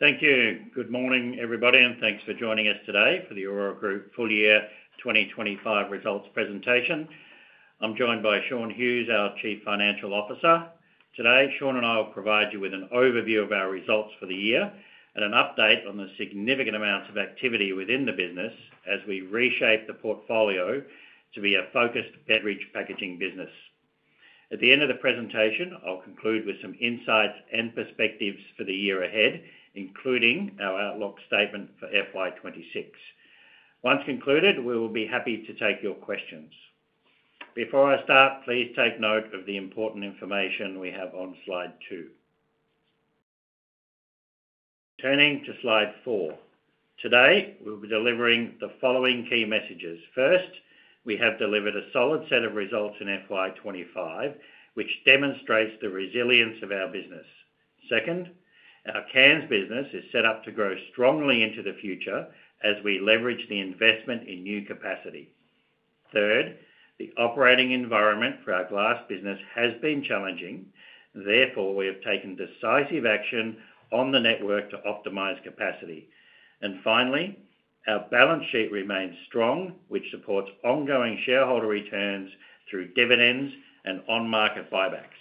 Thank you. Good morning, everybody, and thanks for joining us today for the Orora Group Full-year 2025 Results Presentation. I'm joined by Sean Hughes, our Chief Financial Officer. Today, Sean and I will provide you with an overview of our results for the year and an update on the significant amounts of activity within the business as we reshape the portfolio to be a focused beverage packaging business. At the end of the presentation, I'll conclude with some insights and perspectives for the year ahead, including our outlook statement for FY 2026. Once concluded, we will be happy to take your questions. Before I start, please take note of the important information we have on slide two. Turning to slide four. Today, we'll be delivering the following key messages. First, we have delivered a solid set of results in FY 2025, which demonstrates the resilience of our business. Second, our cans business is set up to grow strongly into the future as we leverage the investment in new capacity. Third, the operating environment for our glass business has been challenging. Therefore, we have taken decisive action on the network to optimize capacity. Finally, our balance sheet remains strong, which supports ongoing shareholder returns through dividends and on-market buybacks.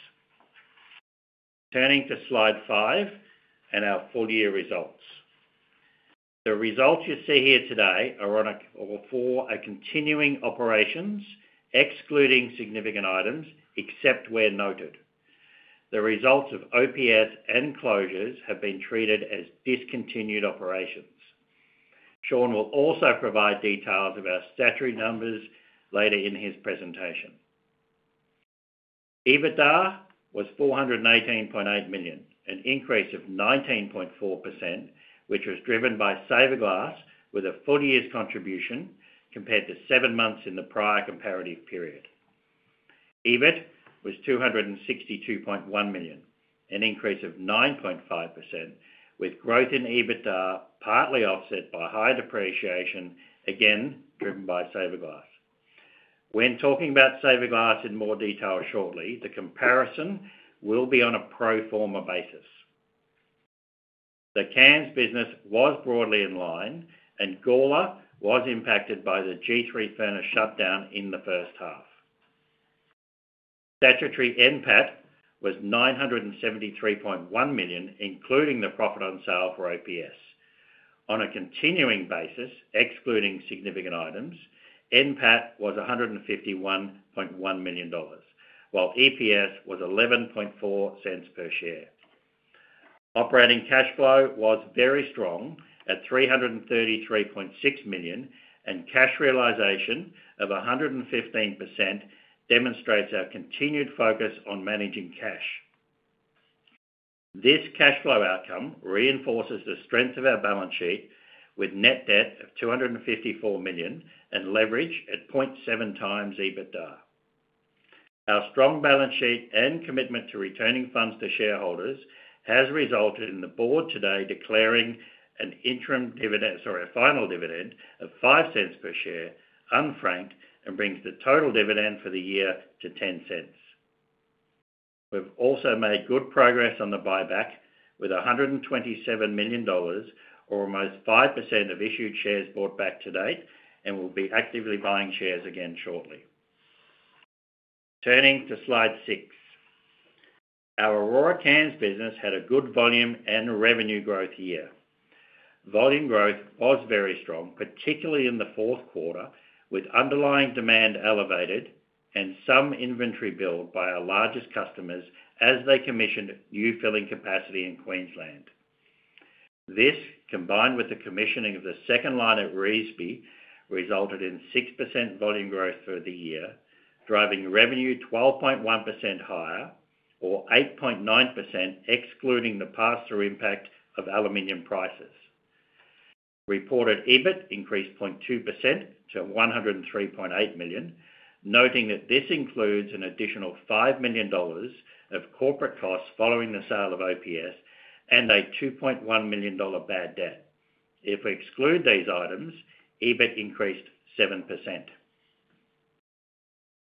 Turning to slide five and our full-year results. The results you see here today are for our continuing operations, excluding significant items except where noted. The results of OPS and closures have been treated as discontinued operations. Sean will also provide details of our statutory numbers later in his presentation. EBITDA was 418.8 million, an increase of 19.4%, which was driven by Saverglass with a full-year's contribution compared to seven months in the prior comparative period. EBIT was 262.1 million, an increase of 9.5%, with growth in EBITDA partly offset by high depreciation, again driven by Saverglass. When talking about Saverglass in more detail shortly, the comparison will be on a pro forma basis. The cans business was broadly in line, and Gawler was impacted by the G3 furnace shutdown in the first half. Statutory NPAT was 973.1 million, including the profit on sale for OPS. On a continuing basis, excluding significant items, NPAT was 151.1 million dollars, while EPS was 0.114 per share. Operating cash flow was very strong at 333.6 million, and cash realization of 115% demonstrates our continued focus on managing cash. This cash flow outcome reinforces the strength of our balance sheet with net debt of 254 million and leverage at 0.7 times EBITDA. Our strong balance sheet and commitment to returning funds to shareholders has resulted in the board today declaring a final dividend of 0.05 per share, unfranked, and brings the total dividend for the year to 0.10. We've also made good progress on the buyback with 127 million dollars, or almost 5% of issued shares bought back to date, and we'll be actively buying shares again shortly. Turning to slide six. Our Orora cans business had a good volume and revenue growth year. Volume growth was very strong, particularly in the fourth quarter, with underlying demand elevated and some inventory built by our largest customers as they commissioned new filling capacity in Queensland. This, combined with the commissioning of the second line at Revesby, resulted in 6% volume growth for the year, driving revenue 12.1% higher, or 8.9% excluding the pass-through impact of aluminum prices. Reported EBIT increased 0.2% to 103.8 million, noting that this includes an additional 5 million dollars of corporate costs following the sale of OPS and a 2.1 million dollar bad debt. If we exclude these items, EBIT increased 7%.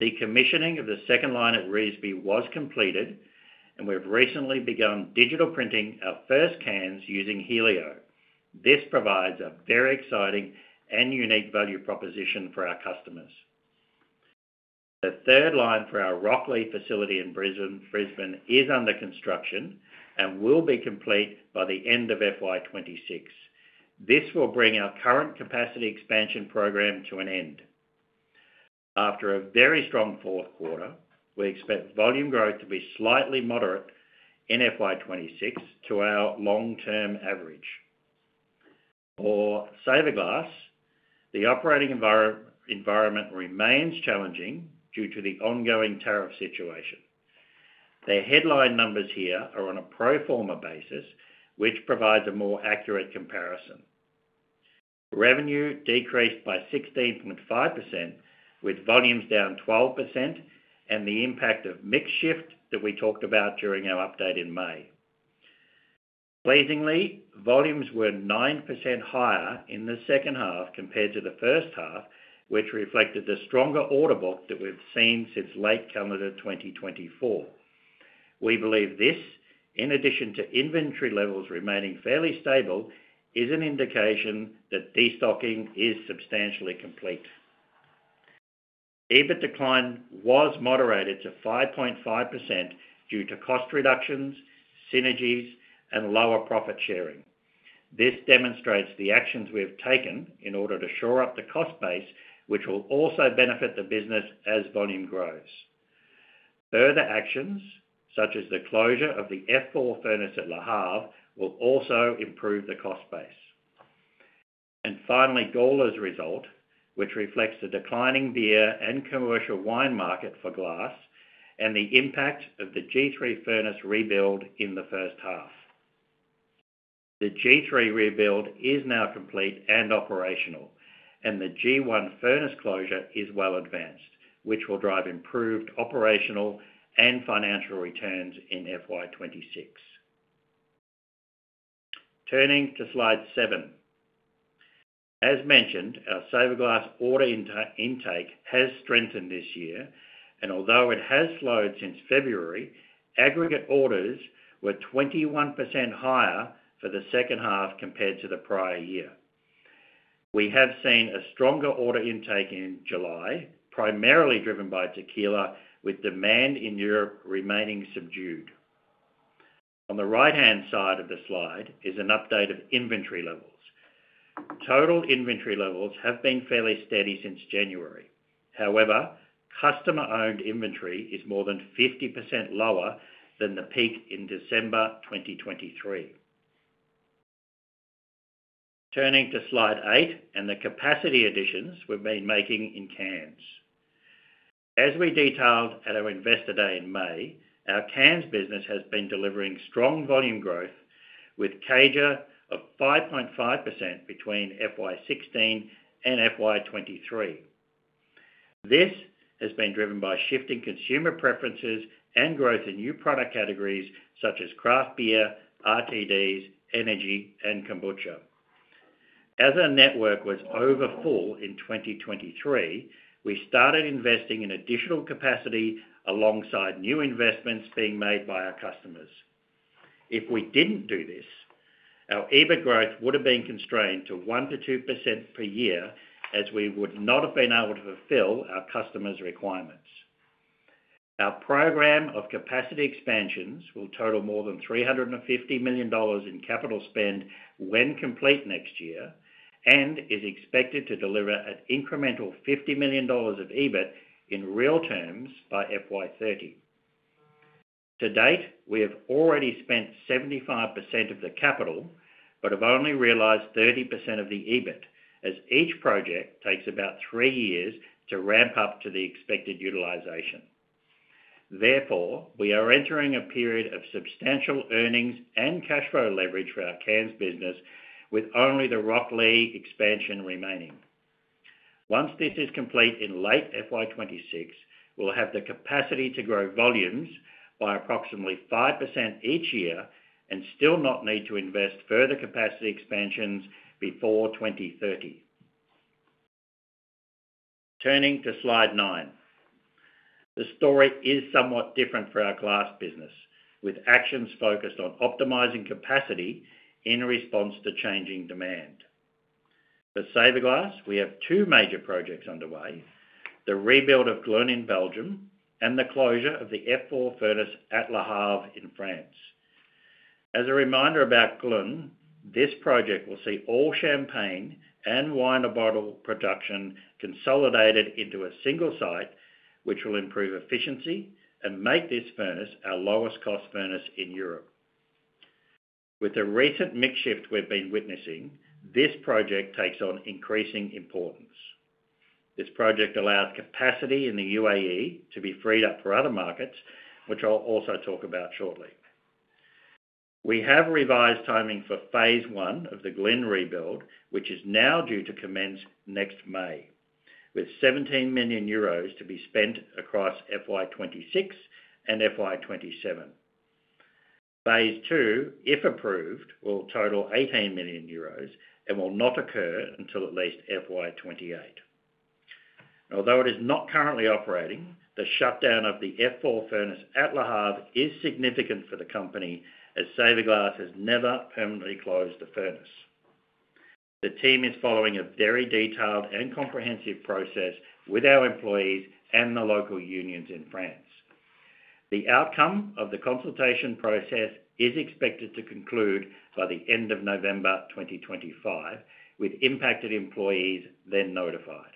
The commissioning of the second line at Revesby was completed, and we've recently begun digital printing our first cans using Helio. This provides a very exciting and unique value proposition for our customers. The third line for our Rocklea facility in Brisbane is under construction and will be complete by the end of FY 2026. This will bring our current capacity expansion program to an end. After a very strong fourth quarter, we expect volume growth to be slightly moderate in FY 2026 to our long-term average. For Saverglass, the operating environment remains challenging due to the ongoing tariff situation. The headline numbers here are on a pro forma basis, which provides a more accurate comparison. Revenue decreased by 16.5%, with volumes down 12% and the impact of mix shift that we talked about during our update in May. Pleasingly, volumes were 9% higher in the second half compared to the first half, which reflected the stronger order book that we've seen since late calendar 2024. We believe this, in addition to inventory levels remaining fairly stable, is an indication that destocking is substantially complete. EBIT decline was moderated to 5.5% due to cost reductions, synergies, and lower profit sharing. This demonstrates the actions we have taken in order to shore up the cost base, which will also benefit the business as volume grows. Further actions, such as the closure of the F4 furnace at Le Havre, will also improve the cost base. Finally, Gawler's result, which reflects the declining beer and commercial wine market for glass and the impact of the G3 furnace rebuild in the first half. The G3 rebuild is now complete and operational, and the G1 furnace closure is well advanced, which will drive improved operational and financial returns in FY 2026. Turning to slide seven. As mentioned, our Saverglass order intake has strengthened this year, and although it has slowed since February, aggregate orders were 21% higher for the second half compared to the prior year. We have seen a stronger order intake in July, primarily driven by tequila, with demand in Europe remaining subdued. On the right-hand side of the slide is an update of inventory levels. Total inventory levels have been fairly steady since January. However, customer-owned inventory is more than 50% lower than the peak in December 2023. Turning to slide eight and the capacity additions we've been making in cans. As we detailed at our investor day in May, our cans business has been delivering strong volume growth with CAGR of 5.5% between FY 2016 and FY 2023. This has been driven by shifting consumer preferences and growth in new product categories such as craft beer, RTDs, energy, and kombucha. As our network was overfull in 2023, we started investing in additional capacity alongside new investments being made by our customers. If we didn't do this, our EBIT growth would have been constrained to 1%-2% per year as we would not have been able to fulfill our customers' requirements. Our program of capacity expansions will total more than 350 million dollars in capital spend when complete next year and is expected to deliver an incremental 50 million dollars of EBIT in real terms by FY 2030. To date, we have already spent 75% of the capital, but have only realized 30% of the EBIT as each project takes about three years to ramp up to the expected utilization. Therefore, we are entering a period of substantial earnings and cash flow leverage for our cans business, with only the Rocklea expansion remaining. Once this is complete in late FY 2026, we'll have the capacity to grow volumes by approximately 5% each year and still not need to invest further capacity expansions before 2030. Turning to slide nine. The story is somewhat different for our glass business, with actions focused on optimizing capacity in response to changing demand. For Saverglass, we have two major projects underway: the rebuild of Ghlin in Belgium and the closure of the F4 furnace at Le Havre in France. As a reminder about Ghlin, this project will see all champagne and wine bottle production consolidated into a single site, which will improve efficiency and make this furnace our lowest cost furnace in Europe. With the recent mix shift we've been witnessing, this project takes on increasing importance. This project allowed capacity in the UAE to be freed up for other markets, which I'll also talk about shortly. We have revised timing for phase one of the Ghlin rebuild, which is now due to commence next May, with 17 million euros to be spent across FY 2026 and FY 2027. Phase two, if approved, will total 18 million euros and will not occur until at least FY 2028. Although it is not currently operating, the shutdown of the F4 furnace at Le Havre is significant for the company as Saverglass has never permanently closed the furnace. The team is following a very detailed and comprehensive process with our employees and the local unions in France. The outcome of the consultation process is expected to conclude by the end of November 2025, with impacted employees then notified.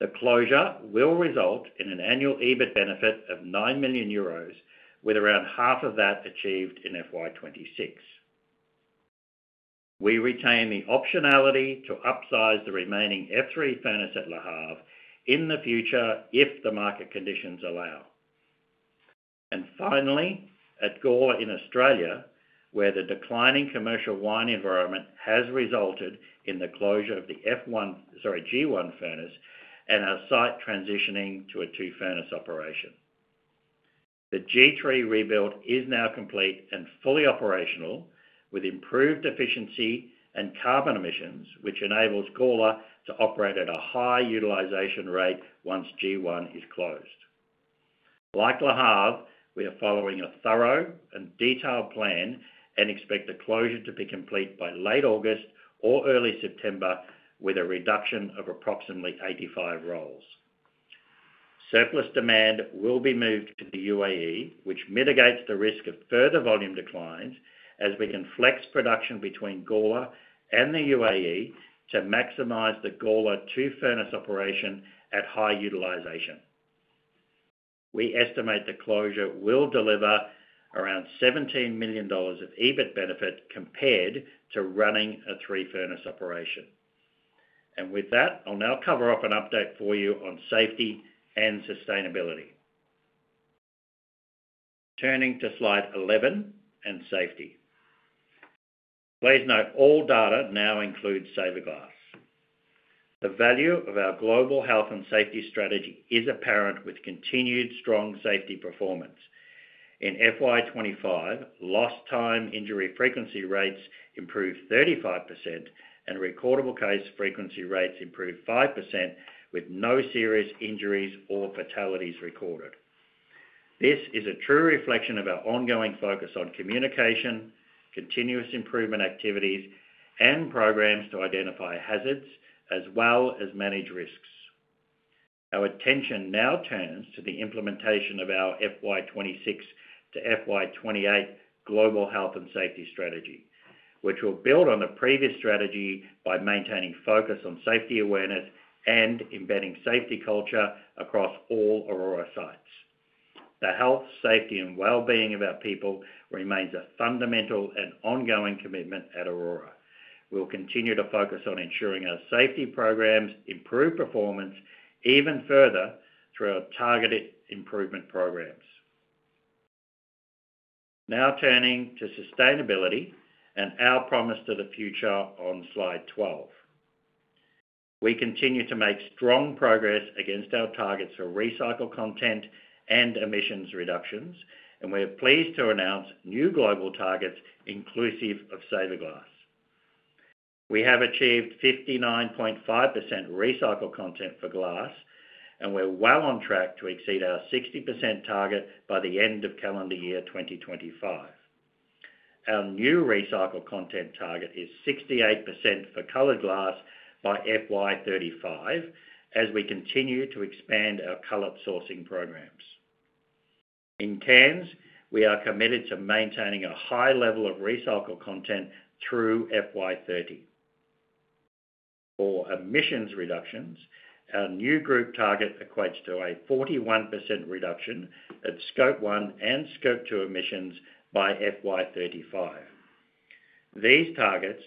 The closure will result in an annual EBIT benefit of 9 million euros, with around half of that achieved in FY 2026. We retain the optionality to upsize the remaining F3 furnace at Le Havre in the future if the market conditions allow. Finally, at Gawler in Australia, where the declining commercial wine environment has resulted in the closure of the G1 furnace and our site transitioning to a two-furnace operation. The G3 rebuild is now complete and fully operational, with improved efficiency and carbon emissions, which enables Gawler to operate at a high utilization rate once G1 is closed. Like Le Havre, we are following a thorough and detailed plan and expect the closure to be complete by late August or early September, with a reduction of approximately 85 roles. Surplus demand will be moved to the UAE, which mitigates the risk of further volume declines as we can flex production between Gawler and the UAE to maximize the Gawler two-furnace operation at high utilization. We estimate the closure will deliver around 17 million dollars of EBIT benefit compared to running a three-furnace operation. With that, I'll now cover off an update for you on safety and sustainability. Turning to slide 11 and safety. Please note, all data now includes Saverglass. The value of our global health and safety strategy is apparent with continued strong safety performance. In FY 2025, lost time injury frequency rates improved 35% and recordable case frequency rates improved 5%, with no serious injuries or fatalities recorded. This is a true reflection of our ongoing focus on communication, continuous improvement activities, and programs to identify hazards as well as manage risks. Our attention now turns to the implementation of our FY 2026 to FY 2028 global health and safety strategy, which will build on the previous strategy by maintaining focus on safety awareness and embedding safety culture across all Orora sites. The health, safety, and wellbeing of our people remains a fundamental and ongoing commitment at Orora. We'll continue to focus on ensuring our safety programs improve performance even further through our targeted improvement programs. Now turning to sustainability and our promise to the future on slide 12. We continue to make strong progress against our targets for recycled content and emissions reductions, and we're pleased to announce new global targets inclusive of Saverglass. We have achieved 59.5% recycled content for glass, and we're well on track to exceed our 60% target by the end of calendar year 2025. Our new recycled content target is 68% for colored glass by FY 2035, as we continue to expand our color sourcing programs. In cans, we are committed to maintaining a high level of recycled content through FY 2030. For emissions reductions, our new group target equates to a 41% reduction at scope one and scope two emissions by FY 2035. These targets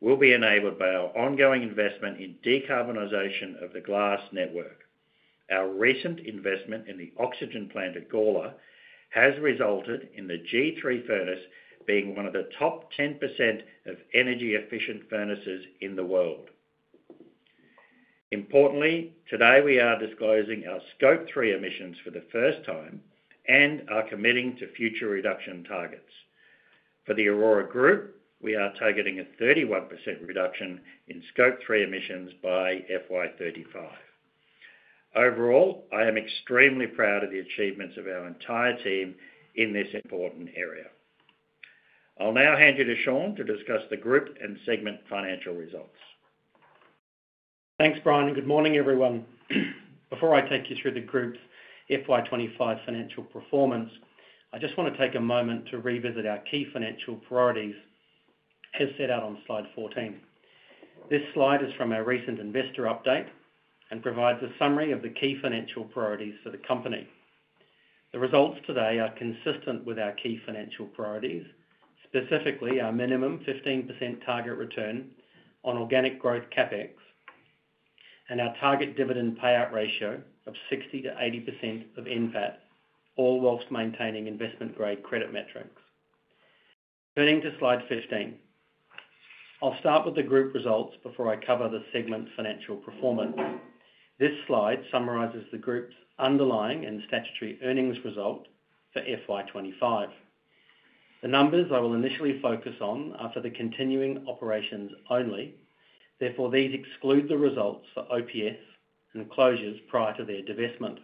will be enabled by our ongoing investment in decarbonization of the glass network. Our recent investment in the oxygen plant at Gawler has resulted in the G3 furnace being one of the top 10% of energy-efficient furnaces in the world. Importantly, today we are disclosing our scope three emissions for the first time and are committing to future reduction targets. For the Orora Group, we are targeting a 31% reduction in scope three emissions by FY 2035. Overall, I am extremely proud of the achievements of our entire team in this important area. I'll now hand you to Sean to discuss the group and segment financial results. Thanks, Brian, and good morning, everyone. Before I take you through the group's FY 2025 financial performance, I just want to take a moment to revisit our key financial priorities as set out on slide 14. This slide is from our recent investor update and provides a summary of the key financial priorities for the company. The results today are consistent with our key financial priorities, specifically our minimum 15% target return on organic growth, CapEx, and our target dividend payout ratio of 60%-80% of NPAT, all whilst maintaining investment-grade credit metrics. Turning to slide 15, I'll start with the group results before I cover the segment financial performance. This slide summarizes the group's underlying and statutory earnings result for FY 2025. The numbers I will initially focus on are for the continuing operations only; therefore, these exclude the results for OPS and closures prior to their divestment.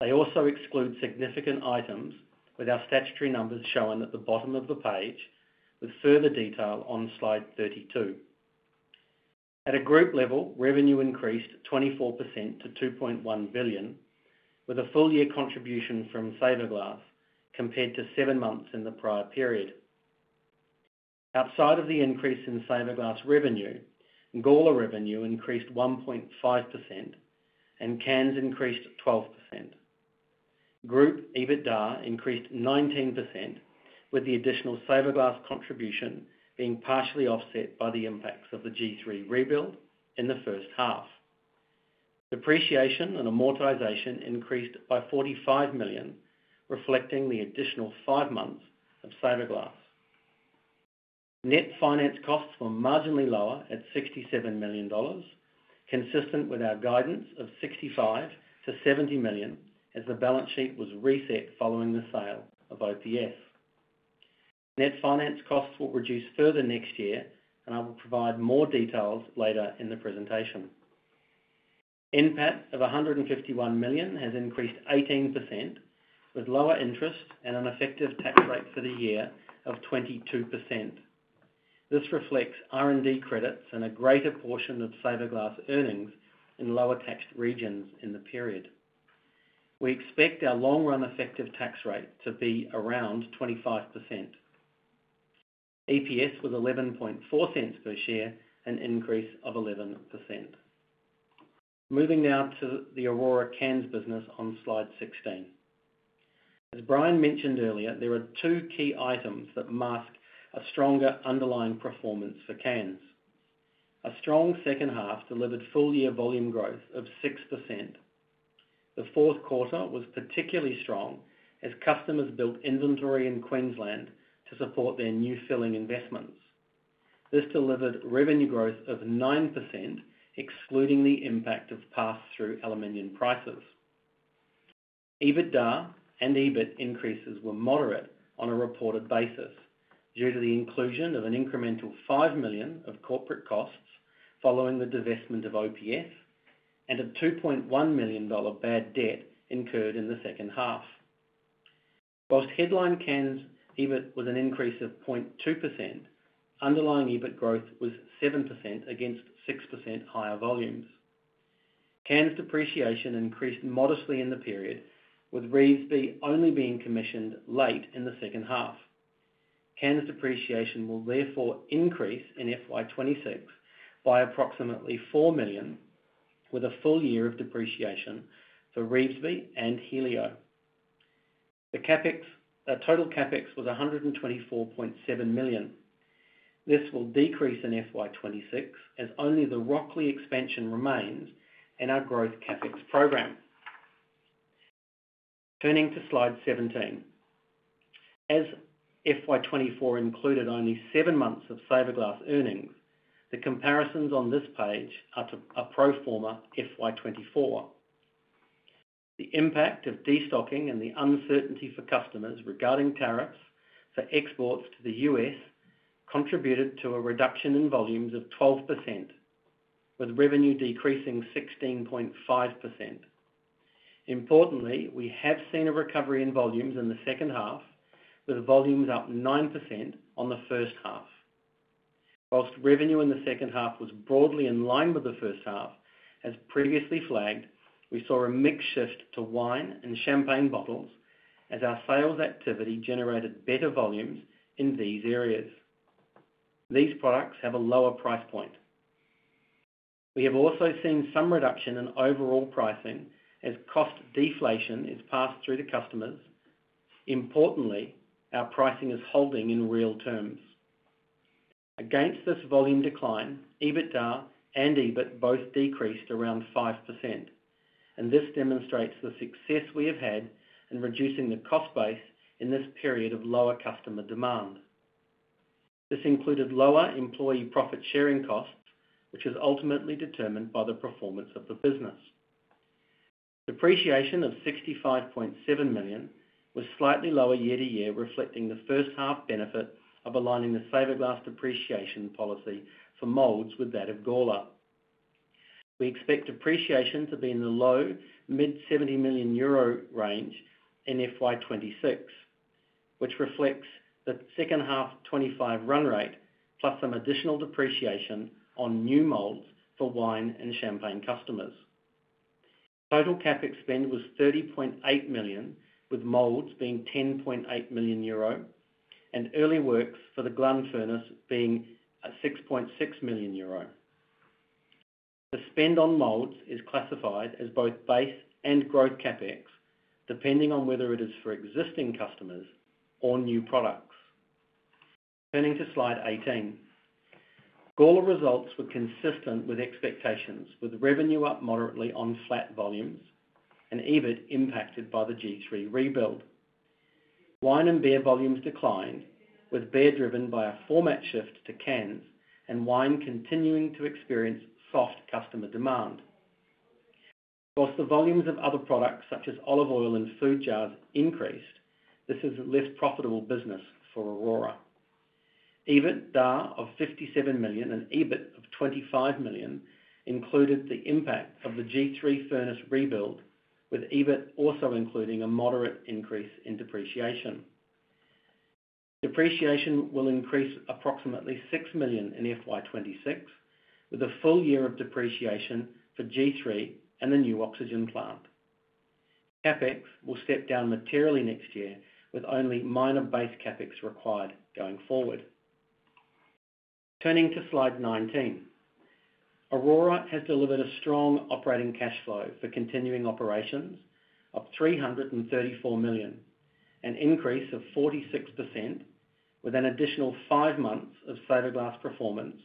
They also exclude significant items with our statutory numbers shown at the bottom of the page with further detail on slide 32. At a group level, revenue increased 24% to 2.1 billion, with a full-year contribution from Saverglass compared to seven months in the prior period. Outside of the increase in Saverglass revenue, Gawler revenue increased 1.5% and cans increased 12%. Group EBITDA increased 19%, with the additional Saverglass contribution being partially offset by the impacts of the G3 rebuild in the first half. Depreciation and amortization increased by 45 million, reflecting the additional five months of Saverglass. Net finance costs were marginally lower at 67 million dollars, consistent with our guidance of 65 million-70 million as the balance sheet was reset following the sale of OPS. Net finance costs will reduce further next year, and I will provide more details later in the presentation. NPAT of 151 million has increased 18% with lower interest and an effective tax rate for the year of 22%. This reflects R&D credits and a greater portion of Saverglass earnings in lower taxed regions in the period. We expect our long-run effective tax rate to be around 25%. EPS was 0.114 per share, an increase of 11%. Moving now to the Orora cans business on slide 16. As Brian mentioned earlier, there were two key items that mask a stronger underlying performance for cans. A strong second half delivered full-year volume growth of 6%. The fourth quarter was particularly strong as customers built inventory in Queensland to support their new filling investments. This delivered revenue growth of 9%, excluding the impact of pass-through aluminum prices. EBITDA and EBIT increases were moderate on a reported basis due to the inclusion of an incremental 5 million of corporate costs following the divestment of OPS and a 2.1 million dollar bad debt incurred in the second half. Whilst headline cans' EBIT was an increase of 0.2%, underlying EBIT growth was 7% against 6% higher volumes. Cans' depreciation increased modestly in the period, with Revesby only being commissioned late in the second half. Cans' depreciation will therefore increase in FY 2026 by approximately 4 million, with a full year of depreciation for Revesby and Helio. Our total CapEx was 124.7 million. This will decrease in FY 2026 as only the Rocklea expansion remains in our growth CapEx program. Turning to slide 17. As FY 2024 included only seven months of Saverglass earnings, the comparisons on this page are to a pro forma FY 2024. The impact of destocking and the uncertainty for customers regarding tariffs for exports to the U.S. contributed to a reduction in volumes of 12%, with revenue decreasing 16.5%. Importantly, we have seen a recovery in volumes in the second half, with volumes up 9% on the first half. Whilst revenue in the second half was broadly in line with the first half, as previously flagged, we saw a mix shift to wine and champagne bottles as our sales activity generated better volumes in these areas. These products have a lower price point. We have also seen some reduction in overall pricing as cost deflation is passed through to customers. Importantly, our pricing is holding in real terms. Against this volume decline, EBITDA and EBIT both decreased around 5%, and this demonstrates the success we have had in reducing the cost base in this period of lower customer demand. This included lower employee profit sharing costs, which is ultimately determined by the performance of the business. Depreciation of 65.7 million was slightly lower year to year, reflecting the first half benefit of aligning the Saverglass depreciation policy for molds with that of Gawler. We expect depreciation to be in the low mid 70 million euro range in FY 2026, which reflects the second half 2025 run rate, plus some additional depreciation on new molds for wine and champagne customers. Total CapEx spend was 30.8 million, with molds being 10.8 million euro and early works for the Ghlin furnace being 6.6 million euro. The spend on molds is classified as both base and growth CapEx, depending on whether it is for existing customers or new products. Turning to slide 18. Gawler results were consistent with expectations, with revenue up moderately on flat volumes and EBIT impacted by the G3 rebuild. Wine and beer volumes declined, with beer driven by a format shift to cans and wine continuing to experience soft customer demand. Whilst the volumes of other products such as olive oil and food jars increased, this is a less profitable business for Orora. EBITDA of 57 million and EBIT of 25 million included the impact of the G3 furnace rebuild, with EBIT also including a moderate increase in depreciation. Depreciation will increase approximately 6 million in FY 2026, with a full year of depreciation for G3 and the new oxygen plant. CapEx will step down materially next year, with only minor base CapEx required going forward. Turning to slide 19. Orora has delivered a strong operating cash flow for continuing operations of 334 million, an increase of 46% with an additional five months of Saverglass performance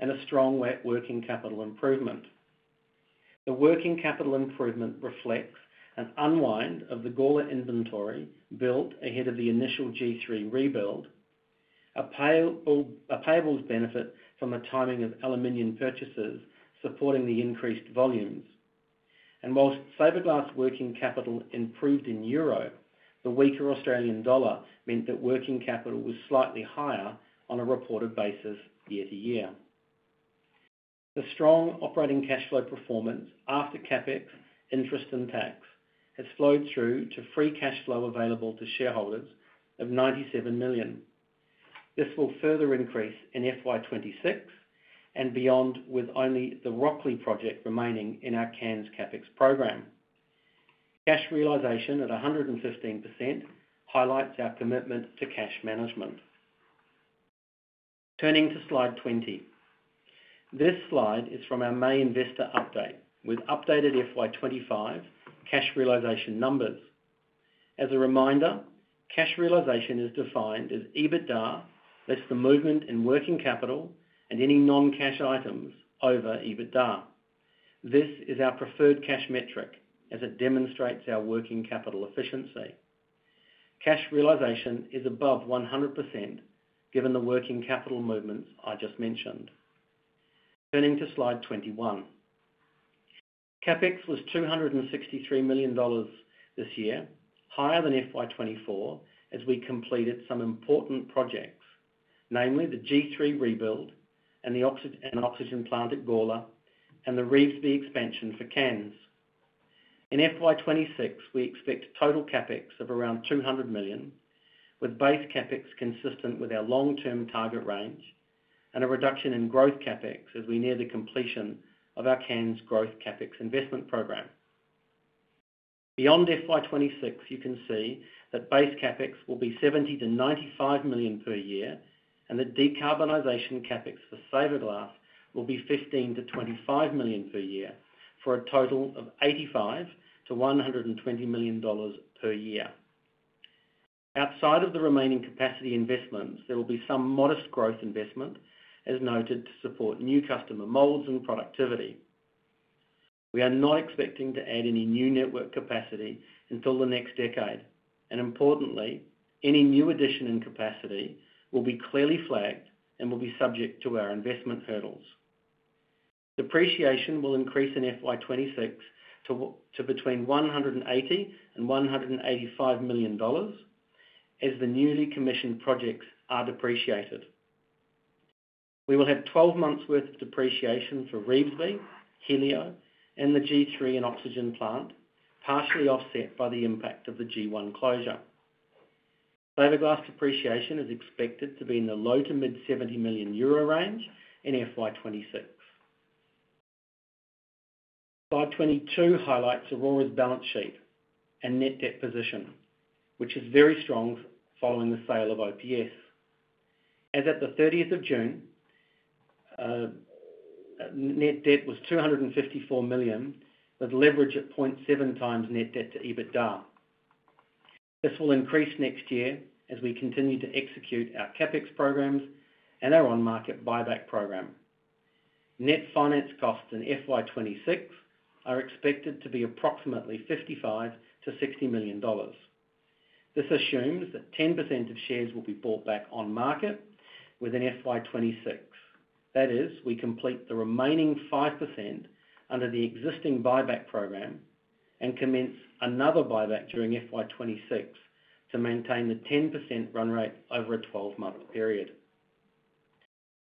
and a strong working capital improvement. The working capital improvement reflects an unwind of the Gawler inventory built ahead of the initial G3 rebuild, a payable benefit from the timing of aluminum purchases supporting the increased volumes. Whilst Saverglass working capital improved in Europe, the weaker Australian dollar meant that working capital was slightly higher on a reported basis year to year. The strong operating cash flow performance after CapEx, interest, and tax has flowed through to free cash flow available to shareholders of 97 million. This will further increase in FY 2026 and beyond, with only the Rocklea project remaining in our cans CapEx program. Cash realization at 115% highlights our commitment to cash management. Turning to slide 20. This slide is from our May investor update with updated FY 2025 cash realization numbers. As a reminder, cash realization is defined as EBITDA plus the movement in working capital and any non-cash items over EBITDA. This is our preferred cash metric as it demonstrates our working capital efficiency. Cash realization is above 100% given the working capital movements I just mentioned. Turning to slide 21. CapEx was 263 million dollars this year, higher than FY 2024 as we completed some important projects, namely the G3 rebuild and the oxygen plant at Gawler and the Revesby expansion for cans. In FY 2026, we expect a total CapEx of around 200 million, with base CapEx consistent with our long-term target range and a reduction in growth CapEx as we near the completion of our cans growth CapEx investment program. Beyond FY 2026, you can see that base CapEx will be 70 million-95 million per year, and the decarbonization CapEx for Saverglass SAS will be 15 million-25 million per year for a total of 85 million-120 million dollars per year. Outside of the remaining capacity investments, there will be some modest growth investment as noted to support new customer molds and productivity. We are not expecting to add any new network capacity until the next decade, and importantly, any new addition in capacity will be clearly flagged and will be subject to our investment hurdles. Depreciation will increase in FY 2026 to between 180 million and 185 million dollars as the newly commissioned projects are depreciated. We will have 12 months' worth of depreciation for Revesby, Helio, and the G3 and oxygen plant, partially offset by the impact of the G1 closure. Saverglass depreciation is expected to be in the low to mid-EUR 70 million range in FY 2026. Slide 22 highlights Orora's balance sheet and net debt position, which is very strong following the sale of OPS. As at the 30th of June, net debt was 254 million with leverage at 0.7x net debt to EBITDA. This will increase next year as we continue to execute our CapEx programs and our on-market buyback program. Net finance costs in FY 2026 are expected to be approximately 55 million-60 million dollars. This assumes that 10% of shares will be bought back on market within FY 2026. That is, we complete the remaining 5% under the existing buyback program and commence another buyback during FY 2026 to maintain the 10% run rate over a 12-month period.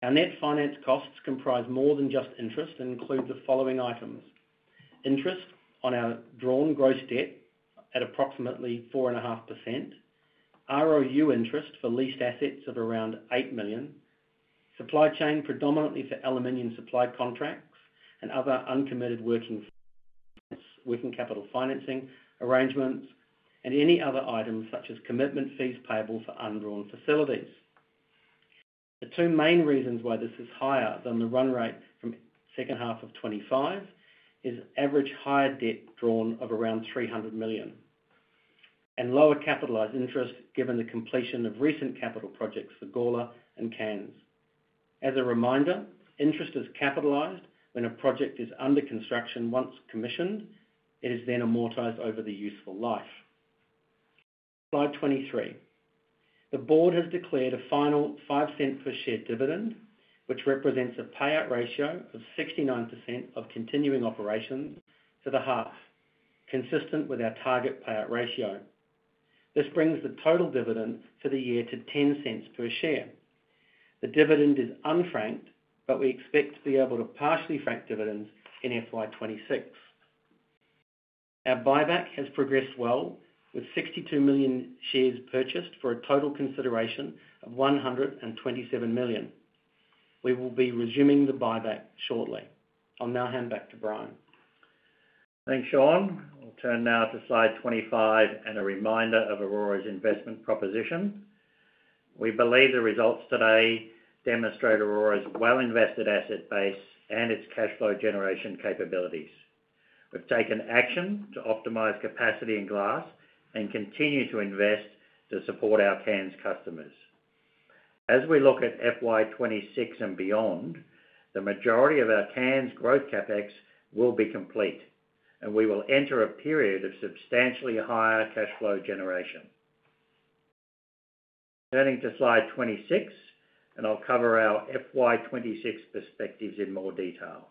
Our net finance costs comprise more than just interest and include the following items: interest on our drawn gross debt at approximately 4.5%, ROU interest for leased assets of around 8 million, supply chain predominantly for aluminum supply contracts and other uncommitted working within capital financing arrangements, and any other items such as commitment fees payable for undrawn facilities. The two main reasons why this is higher than the run rate from the second half of 2025 is average high debt drawn of around 300 million and lower capitalized interest given the completion of recent capital projects for Gawler and cans. As a reminder, interest is capitalized when a project is under construction. Once commissioned, it is then amortized over the useful life. Slide 23. The Board has declared a final 0.05 per share dividend, which represents a payout ratio of 69% of continuing operations to the half, consistent with our target payout ratio. This brings the total dividend for the year to 0.10 per share. The dividend is unfranked, but we expect to be able to partially frank dividends in FY 2026. Our buyback has progressed well, with 62 million shares purchased for a total consideration of 127 million. We will be resuming the buyback shortly. I'll now hand back to Brian. Thanks, Sean. We'll turn now to slide 25 and a reminder of Orora's investment proposition. We believe the results today demonstrate Orora's well-invested asset base and its cash flow generation capabilities. We've taken action to optimize capacity in glass and continue to invest to support our cans customers. As we look at FY 2026 and beyond, the majority of our cans' growth CapEx will be complete, and we will enter a period of substantially higher cash flow generation. Turning to slide 26, and I'll cover our FY 2026 perspectives in more detail.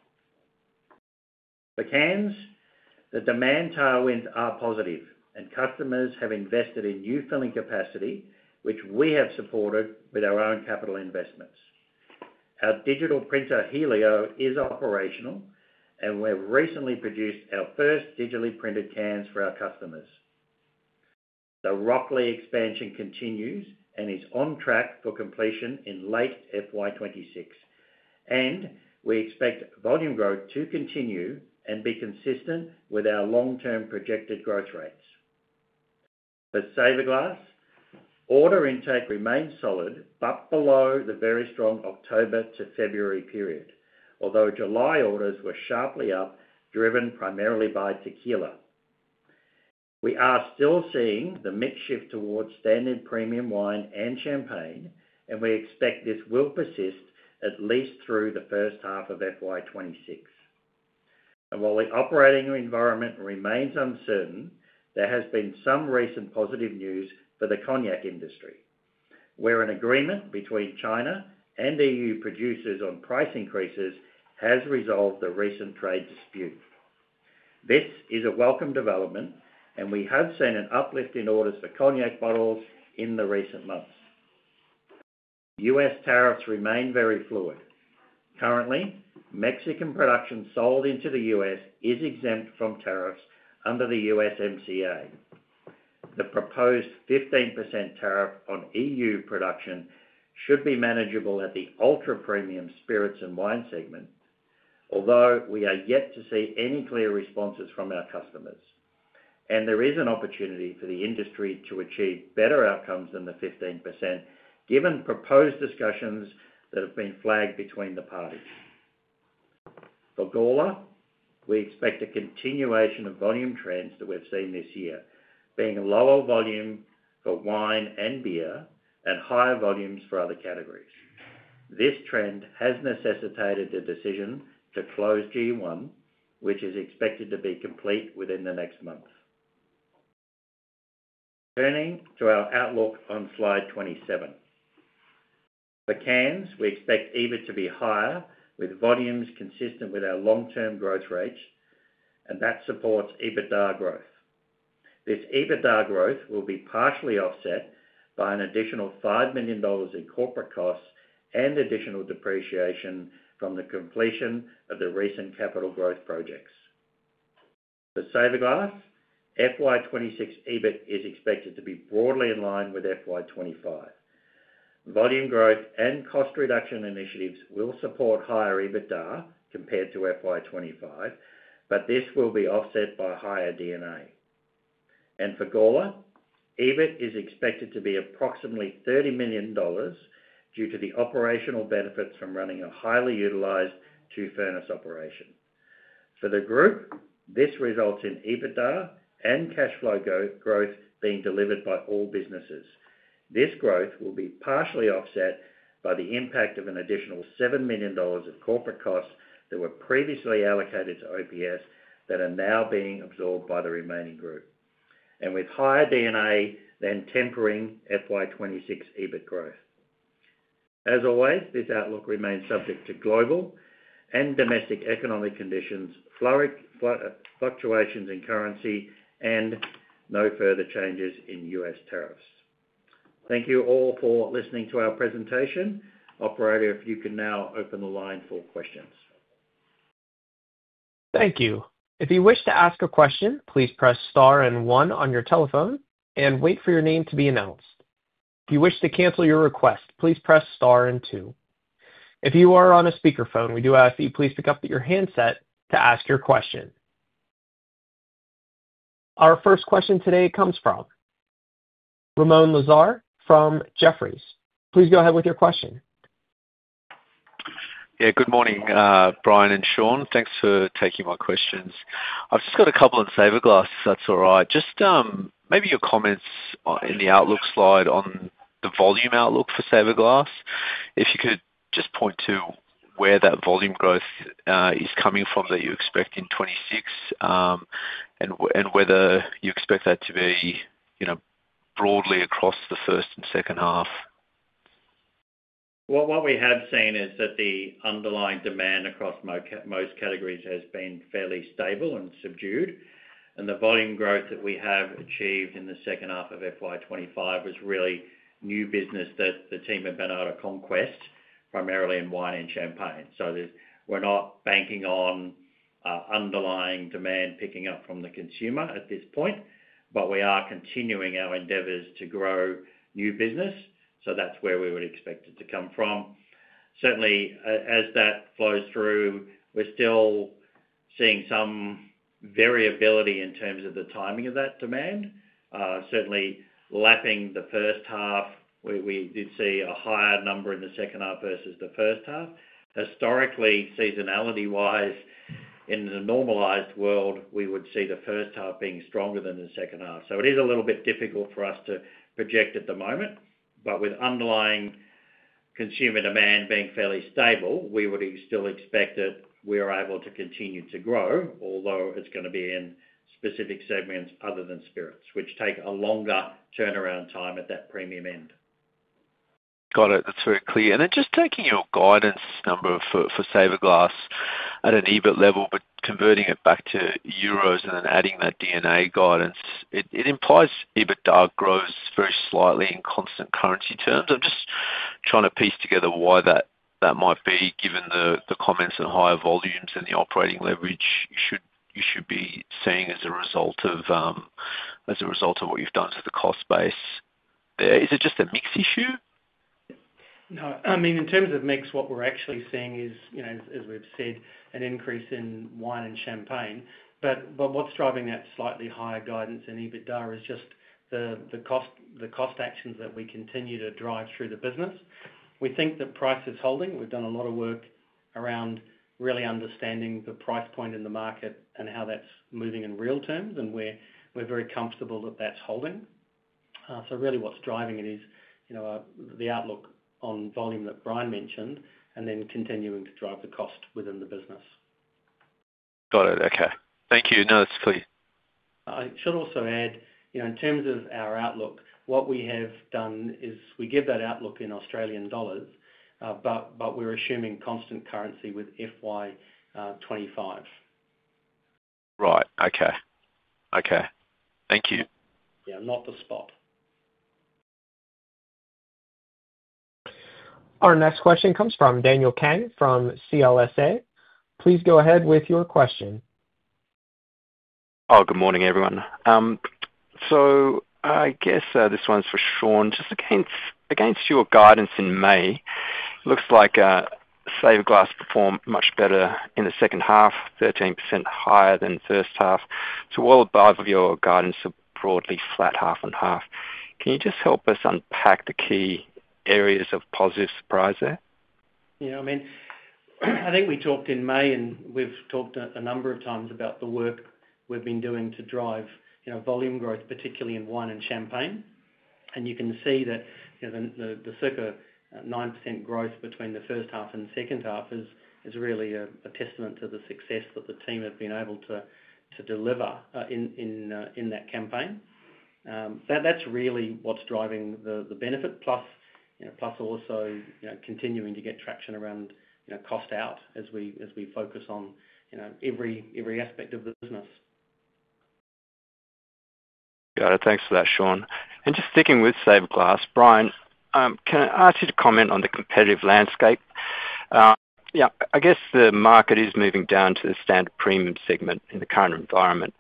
For cans, the demand tailwinds are positive, and customers have invested in new filling capacity, which we have supported with our own capital investments. Our digital printer, Helio, is operational, and we've recently produced our first digitally printed cans for our customers. The Rocklea expansion continues and is on track for completion in late FY 2026, and we expect volume growth to continue and be consistent with our long-term projected growth rates. For Saverglass, order intake remains solid but below the very strong October to February period, although July orders were sharply up, driven primarily by tequila. We are still seeing the mix shift towards standard premium wine and champagne, and we expect this will persist at least through the first half of FY 2026. While the operating environment remains uncertain, there has been some recent positive news for the cognac industry. There is an agreement between China and EU producers on price increases that has resolved the recent trade dispute. This is a welcome development, and we have seen an uplift in orders for cognac bottles in the recent months. U.S. tariffs remain very fluid. Currently, Mexican production sold into the U.S. is exempt from tariffs under the USMCA. The proposed 15% tariff on EU production should be manageable at the ultra-premium spirits and wine segment, although we are yet to see any clear responses from our customers. There is an opportunity for the industry to achieve better outcomes than the 15% given proposed discussions that have been flagged between the parties. For Gawler, we expect a continuation of volume trends that we've seen this year, being a lower volume for wine and beer and higher volumes for other categories. This trend has necessitated a decision to close G1, which is expected to be complete within the next month. Turning to our outlook on slide 27. For cans, we expect EBIT to be higher with volumes consistent with our long-term growth rates, and that supports EBITDA growth. This EBITDA growth will be partially offset by an additional 5 million dollars in corporate costs and additional depreciation from the completion of the recent capital growth projects. For Saverglass, FY 2026 EBIT is expected to be broadly in line with FY 2025. Volume growth and cost reduction initiatives will support higher EBITDA compared to FY 2025, but this will be offset by higher DNA. For Gawler, EBIT is expected to be approximately 30 million dollars due to the operational benefits from running a highly utilized two-furnace operation. For the group, this results in EBITDA and cash flow growth being delivered by all businesses. This growth will be partially offset by the impact of an additional 7 million dollars of corporate costs that were previously allocated to OPS that are now being absorbed by the remaining group and with higher DNA than tempering FY 2026 EBIT growth. As always, this outlook remains subject to global and domestic economic conditions, fluctuations in currency, and no further changes in U.S. tariffs. Thank you all for listening to our presentation. Operator, if you can now open the line for questions. Thank you. If you wish to ask a question, please press star and one on your telephone and wait for your name to be announced. If you wish to cancel your request, please press star and two. If you are on a speaker phone, we do ask that you please pick up your handset to ask your question. Our first question today comes from Ramoun Lazar from Jefferies. Please go ahead with your question. Yeah, good morning, Brian and Sean. Thanks for taking my questions. I've just got a couple in Saverglass, if that's all right. Just maybe your comments in the outlook slide on the volume outlook for Saverglass. If you could just point to where that volume growth is coming from that you expect in 2026 and whether you expect that to be, you know, broadly across the first and second half. What we have seen is that the underlying demand across most categories has been fairly stable and subdued, and the volume growth that we have achieved in the second half of FY 2025 was really new business that the team have been out to conquest, primarily in wine and champagne. We're not banking on underlying demand picking up from the consumer at this point, but we are continuing our endeavors to grow new business. That's where we would expect it to come from. Certainly, as that flows through, we're still seeing some variability in terms of the timing of that demand. Lapping the first half, we did see a higher number in the second half versus the first half. Historically, seasonality-wise, in a normalized world, we would see the first half being stronger than the second half. It is a little bit difficult for us to project at the moment, but with underlying consumer demand being fairly stable, we would still expect that we are able to continue to grow, although it's going to be in specific segments other than spirits, which take a longer turnaround time at that premium end. Got it. That's very clear. Just taking your guidance number for Saverglass at an EBIT level, but converting it back to euros and then adding that DNA guidance, it implies EBITDA grows very slightly in constant currency terms. I'm just trying to piece together why that might be given the comments on higher volumes and the operating leverage you should be seeing as a result of what you've done to the cost base. Is it just a mix issue? No, I mean, in terms of mix, what we're actually seeing is, as we've said, an increase in wine and champagne. What's driving that slightly higher guidance in EBITDA is just the cost actions that we continue to drive through the business. We think that price is holding. We've done a lot of work around really understanding the price point in the market and how that's moving in real terms, and we're very comfortable that that's holding. Really, what's driving it is the outlook on volume that Brian mentioned and then continuing to drive the cost within the business. Got it. Okay, thank you. No, that's clear. I should also add, in terms of our outlook, what we have done is we give that outlook in Australian dollars, but we're assuming constant currency with FY 2025. Right. Okay. Thank you. Yeah, not the spot. Our next question comes from Daniel Kang from CLSA. Please go ahead with your question. Oh, good morning, everyone. I guess this one's for Sean. Just against your guidance in May, it looks like Saverglass performed much better in the second half, 13% higher than the first half. While both of your guidance are broadly flat half and half, can you just help us unpack the key areas of positive surprise there? Yeah, I mean, I think we talked in May and we've talked a number of times about the work we've been doing to drive volume growth, particularly in wine and champagne. You can see that the circa 9% growth between the first half and the second half is really a testament to the success that the team have been able to deliver in that campaign. That's really what's driving the benefit, plus also continuing to get traction around cost out as we focus on every aspect of the business. Got it. Thanks for that, Sean. Just sticking with Saverglass, Brian, can I ask you to comment on the competitive landscape? I guess the market is moving down to the standard premium segment in the current environment.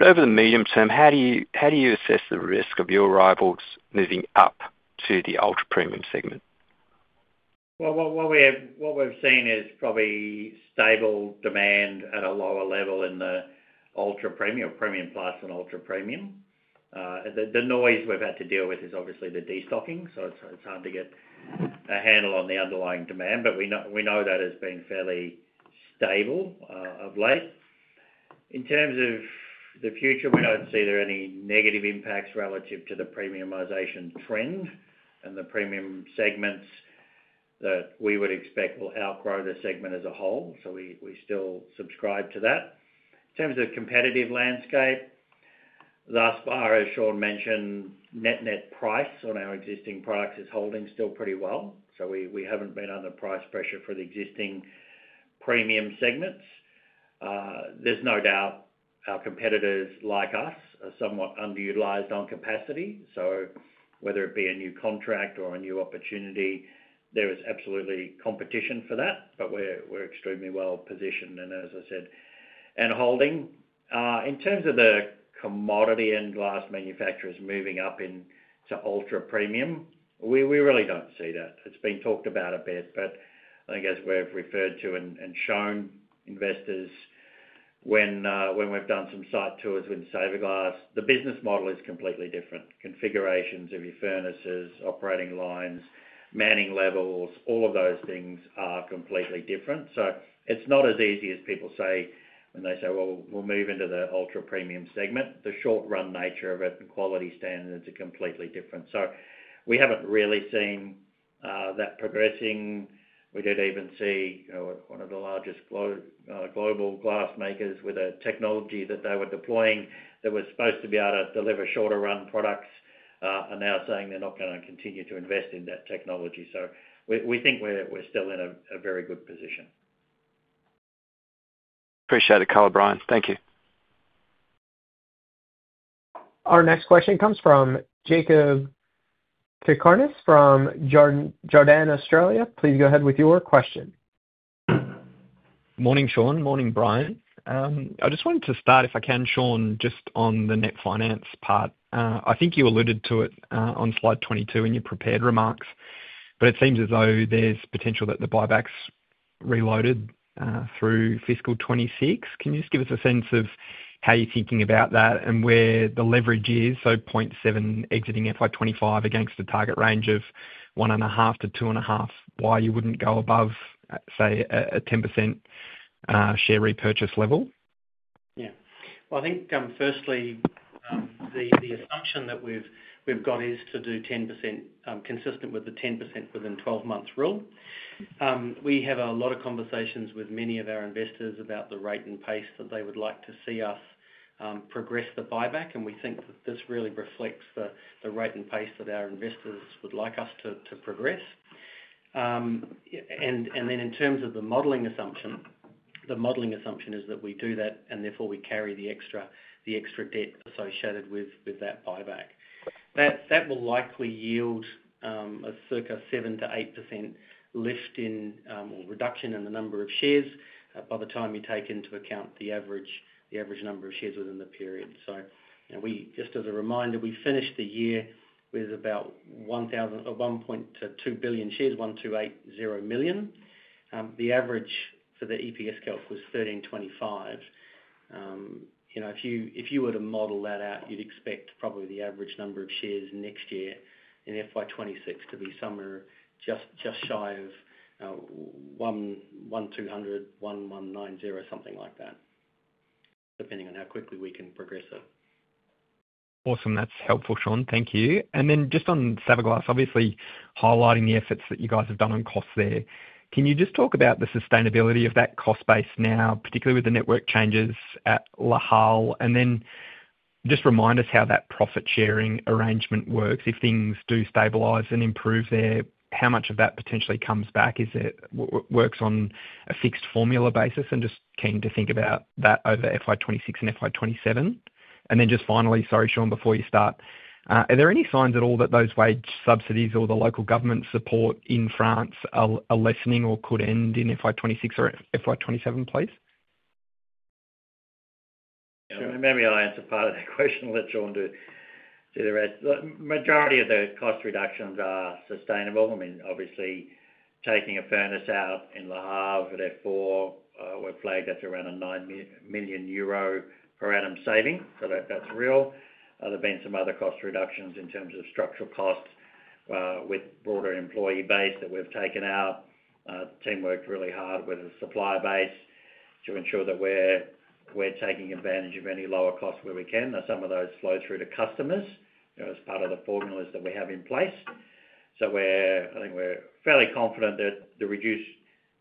Over the medium term, how do you assess the risk of your rivals moving up to the ultra-premium segment? What we've seen is probably stable demand at a lower level in the ultra-premium, premium plus, and ultra-premium. The noise we've had to deal with is obviously the destocking, so it's hard to get a handle on the underlying demand, but we know that has been fairly stable of late. In terms of the future, we don't see there are any negative impacts relative to the premiumization trend and the premium segments that we would expect will outgrow the segment as a whole, so we still subscribe to that. In terms of the competitive landscape, thus far, as Sean mentioned, net-net price on our existing products is holding still pretty well, so we haven't been under price pressure for the existing premium segments. There's no doubt our competitors like us are somewhat underutilized on capacity, so whether it be a new contract or a new opportunity, there is absolutely competition for that, but we're extremely well positioned and, as I said, holding. In terms of the commodity and glass manufacturers moving up into ultra-premium, we really don't see that. It's been talked about a bit, but I guess we've referred to and shown investors when we've done some site tours with Saverglass, the business model is completely different. Configurations of your furnaces, operating lines, manning levels, all of those things are completely different. It's not as easy as people say when they say, we'll move into the ultra-premium segment. The short-run nature of it and quality standards are completely different. We haven't really seen that progressing. We did even see one of the largest global glass makers with a technology that they were deploying that was supposed to be able to deliver shorter-run products and now saying they're not going to continue to invest in that technology. We think we're still in a very good position. Appreciate the color, Brian. Thank you. Our next question comes from Jakob Cakarnis from Jarden, Australia. Please go ahead with your question. Morning, Sean. Morning, Brian. I just wanted to start, if I can, Sean, just on the net finance part. I think you alluded to it on slide 22 in your prepared remarks, but it seems as though there's potential that the buybacks reloaded through fiscal 2026. Can you just give us a sense of how you're thinking about that and where the leverage is, so 0.7 exiting FY 2025 against a target range of 1.5x-2.5x, why you wouldn't go above, say, a 10% share repurchase level? Yeah. I think firstly, the assumption that we've got is to do 10% consistent with the 10% within 12 months rule. We have a lot of conversations with many of our investors about the rate and pace that they would like to see us progress the buyback, and we think that this really reflects the rate and pace that our investors would like us to progress. In terms of the modeling assumption, the modeling assumption is that we do that and therefore we carry the extra debt associated with that buyback. That will likely yield a circa 7%-8% lift in or reduction in the number of shares by the time you take into account the average number of shares within the period. Just as a reminder, we finished the year with about 1.2 billion shares, 1,280 million. The average for the EPS calc was 1,325 million. If you were to model that out, you'd expect probably the average number of shares next year in FY 2026 to be somewhere just shy of 1,200 million, 1,190 million, something like that, depending on how quickly we can progress there. Awesome. That's helpful, Sean. Thank you. Just on Saverglass, obviously highlighting the efforts that you guys have done on costs there. Can you just talk about the sustainability of that cost base now, particularly with the network changes at Le Havre? Just remind us how that profit sharing arrangement works. If things do stabilize and improve there, how much of that potentially comes back? Is it what works on a fixed formula basis? I'm just keen to think about that over FY 2026 and FY 2027. Just finally, sorry, Sean, before you start, are there any signs at all that those wage subsidies or the local government support in France are lessening or could end in FY 2026 or FY 2027, please? Maybe I'll answer part of the question and let Sean do the rest. The majority of the cost reductions are sustainable. I mean, obviously, taking a furnace out in Le Havre at F4, we're flagged at around 9 million euro per annum saving, so that's real. There have been some other cost reductions in terms of structural costs with broader employee base that we've taken out. The team worked really hard with a supplier base to ensure that we're taking advantage of any lower costs where we can. Now, some of those flow through to customers as part of the formulas that we have in place. I think we're fairly confident that the reduced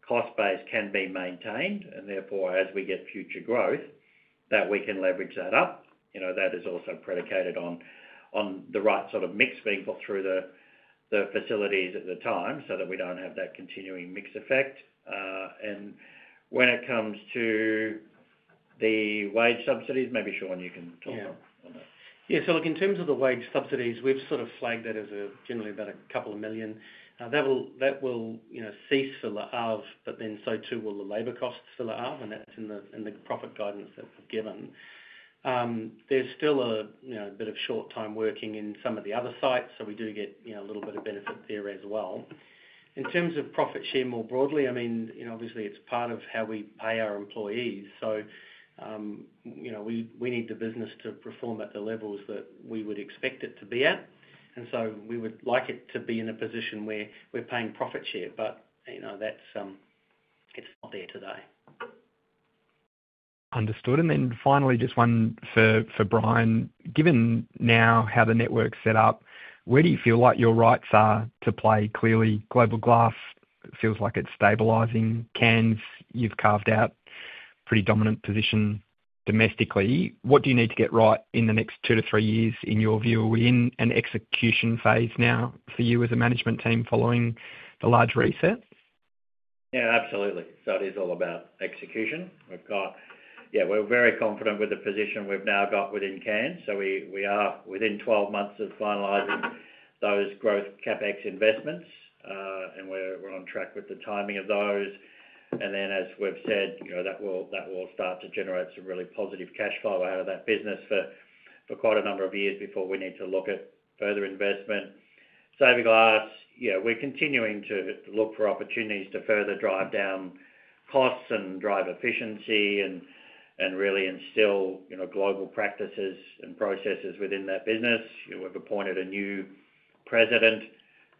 cost base can be maintained and therefore, as we get future growth, that we can leverage that up. That is also predicated on the right sort of mix being put through the facilities at the time so that we don't have that continuing mix effect. When it comes to the wage subsidies, maybe Sean, you can talk about that. Yeah, so look, in terms of the wage subsidies, we've sort of flagged that as generally about a couple of million. That will cease for Le Havre, but then so too will the labor costs for Le Havre, and that's in the profit guidance that we've given. There's still a bit of short-time working in some of the other sites, so we do get a little bit of benefit there as well. In terms of profit share more broadly, I mean, obviously it's part of how we pay our employees. You know, we need the business to perform at the levels that we would expect it to be at. We would like it to be in a position where we're paying profit share, but you know, it's not there today. Understood. Finally, just one for Brian. Given now how the network's set up, where do you feel like your rights are to play? Clearly, Global Glass feels like it's stabilizing. Cans, you've carved out a pretty dominant position domestically. What do you need to get right in the next two to three years in your view? Are we in an execution phase now for you as a management team following the large reset? Yeah, absolutely. It is all about execution. We're very confident with the position we've now got within cans. We are within 12 months of finalizing those growth CapEx investments, and we're on track with the timing of those. As we've said, that will start to generate some really positive cash flow out of that business for quite a number of years before we need to look at further investment. Saverglass, we're continuing to look for opportunities to further drive down costs and drive efficiency and really instill global practices and processes within that business. We've appointed a new President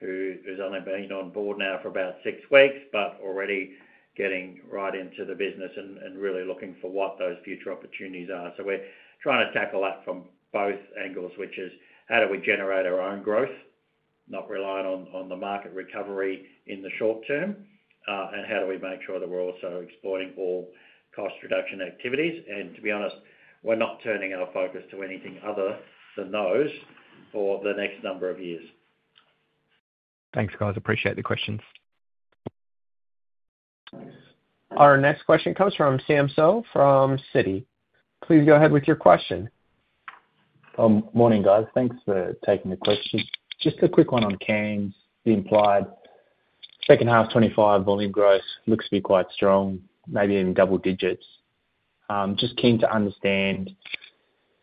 who's only been on board now for about six weeks, but already getting right into the business and really looking for what those future opportunities are. We're trying to tackle that from both angles, which is how do we generate our own growth, not relying on the market recovery in the short term, and how do we make sure that we're also exploiting all cost reduction activities. To be honest, we're not turning our focus to anything other than those for the next number of years. Thanks, guys. Appreciate the questions. Our next question comes from Sam Seow from Citi. Please go ahead with your question. Morning, guys. Thanks for taking the question. Just a quick one on cans. You implied second half 2025 volume growth looks to be quite strong, maybe in double digits. Just keen to understand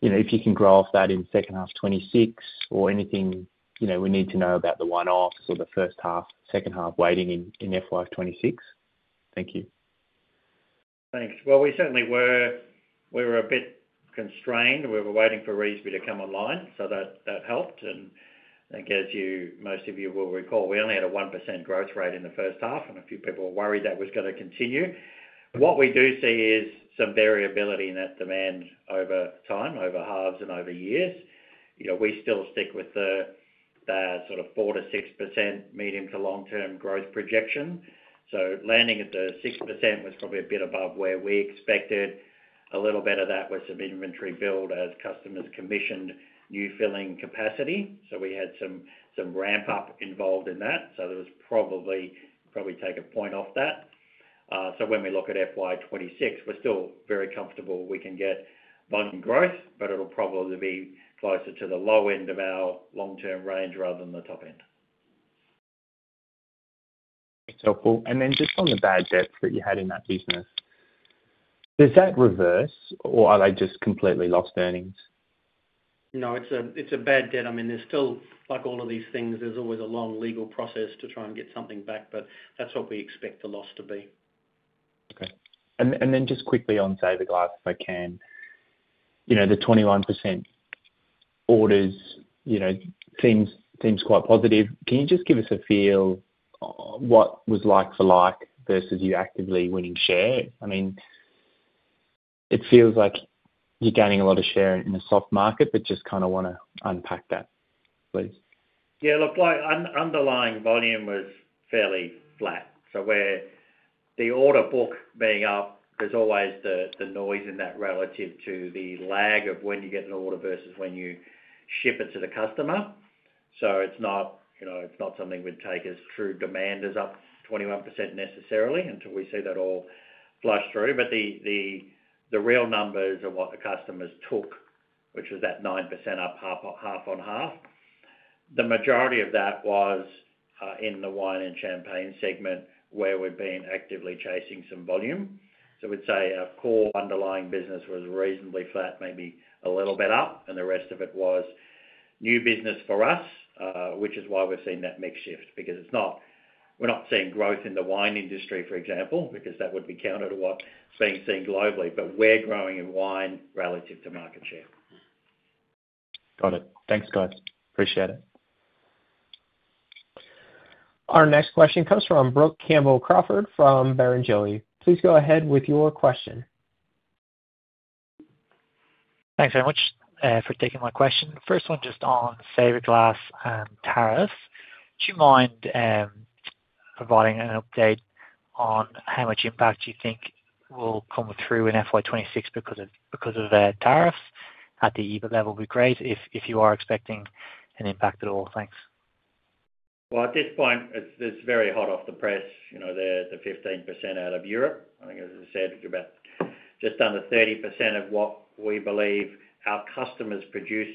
if you can grow off that in second half 2026 or anything we need to know about the one-offs or the first half, second half weighting in FY 2026. Thank you. Thanks. We certainly were a bit constrained. We were waiting for Revesby to come online, so that helped. I guess you, most of you will recall, we only had a 1% growth rate in the first half, and a few people were worried that was going to continue. What we do see is some variability in that demand over time, over halves and over years. You know, we still stick with the sort of 4%-6% medium to long-term growth projection. Landing at the 6% was probably a bit above where we expected. A little bit of that was some inventory build as customers commissioned new filling capacity. We had some ramp-up involved in that. It was probably, probably take a point off that. When we look at FY 2026, we're still very comfortable we can get volume growth, but it'll probably be closer to the low end of our long-term range rather than the top end. That's helpful. Just on the bad debts that you had in that business, does that reverse or are they just completely lost earnings? No, it's a bad debt. I mean, there's still, like all of these things, there's always a long legal process to try and get something back, but that's what we expect the loss to be. Okay. Quickly on Saverglass, if I can, you know, the 21% orders, you know, seems quite positive. Can you just give us a feel of what was like for like versus you actively winning share? I mean, it feels like you're gaining a lot of share in a soft market, just kind of want to unpack that, please. Yeah, look, like underlying volume was fairly flat. With the order book being up, there's always the noise in that relative to the lag of when you get an order versus when you ship it to the customer. It's not something we'd take as true demand as up 21% necessarily until we see that all flush through. The real numbers of what the customers took, which was that 9% up half on half, the majority of that was in the wine and champagne segment where we've been actively chasing some volume. We'd say our core underlying business was reasonably flat, maybe a little bit up, and the rest of it was new business for us, which is why we're seeing that mix shift. It's not, we're not seeing growth in the wine industry, for example, because that would be counter to what's being seen globally, but we're growing in wine relative to market share. Got it. Thanks, guys. Appreciate it. Our next question comes from Brook Campbell-Crawford from Barrenjoey. Please go ahead with your question. Thanks very much for taking my question. First one, just on Saverglass and tariffs. Would you mind providing an update on how much impact you think will come through in FY 2026 because of their tariffs at the EBIT level? It'd be great if you are expecting an impact at all. Thanks. At this point, it's very hot off the press. You know, the 15% out of Europe. I think, as I said, you're about just under 30% of what we believe our customers produce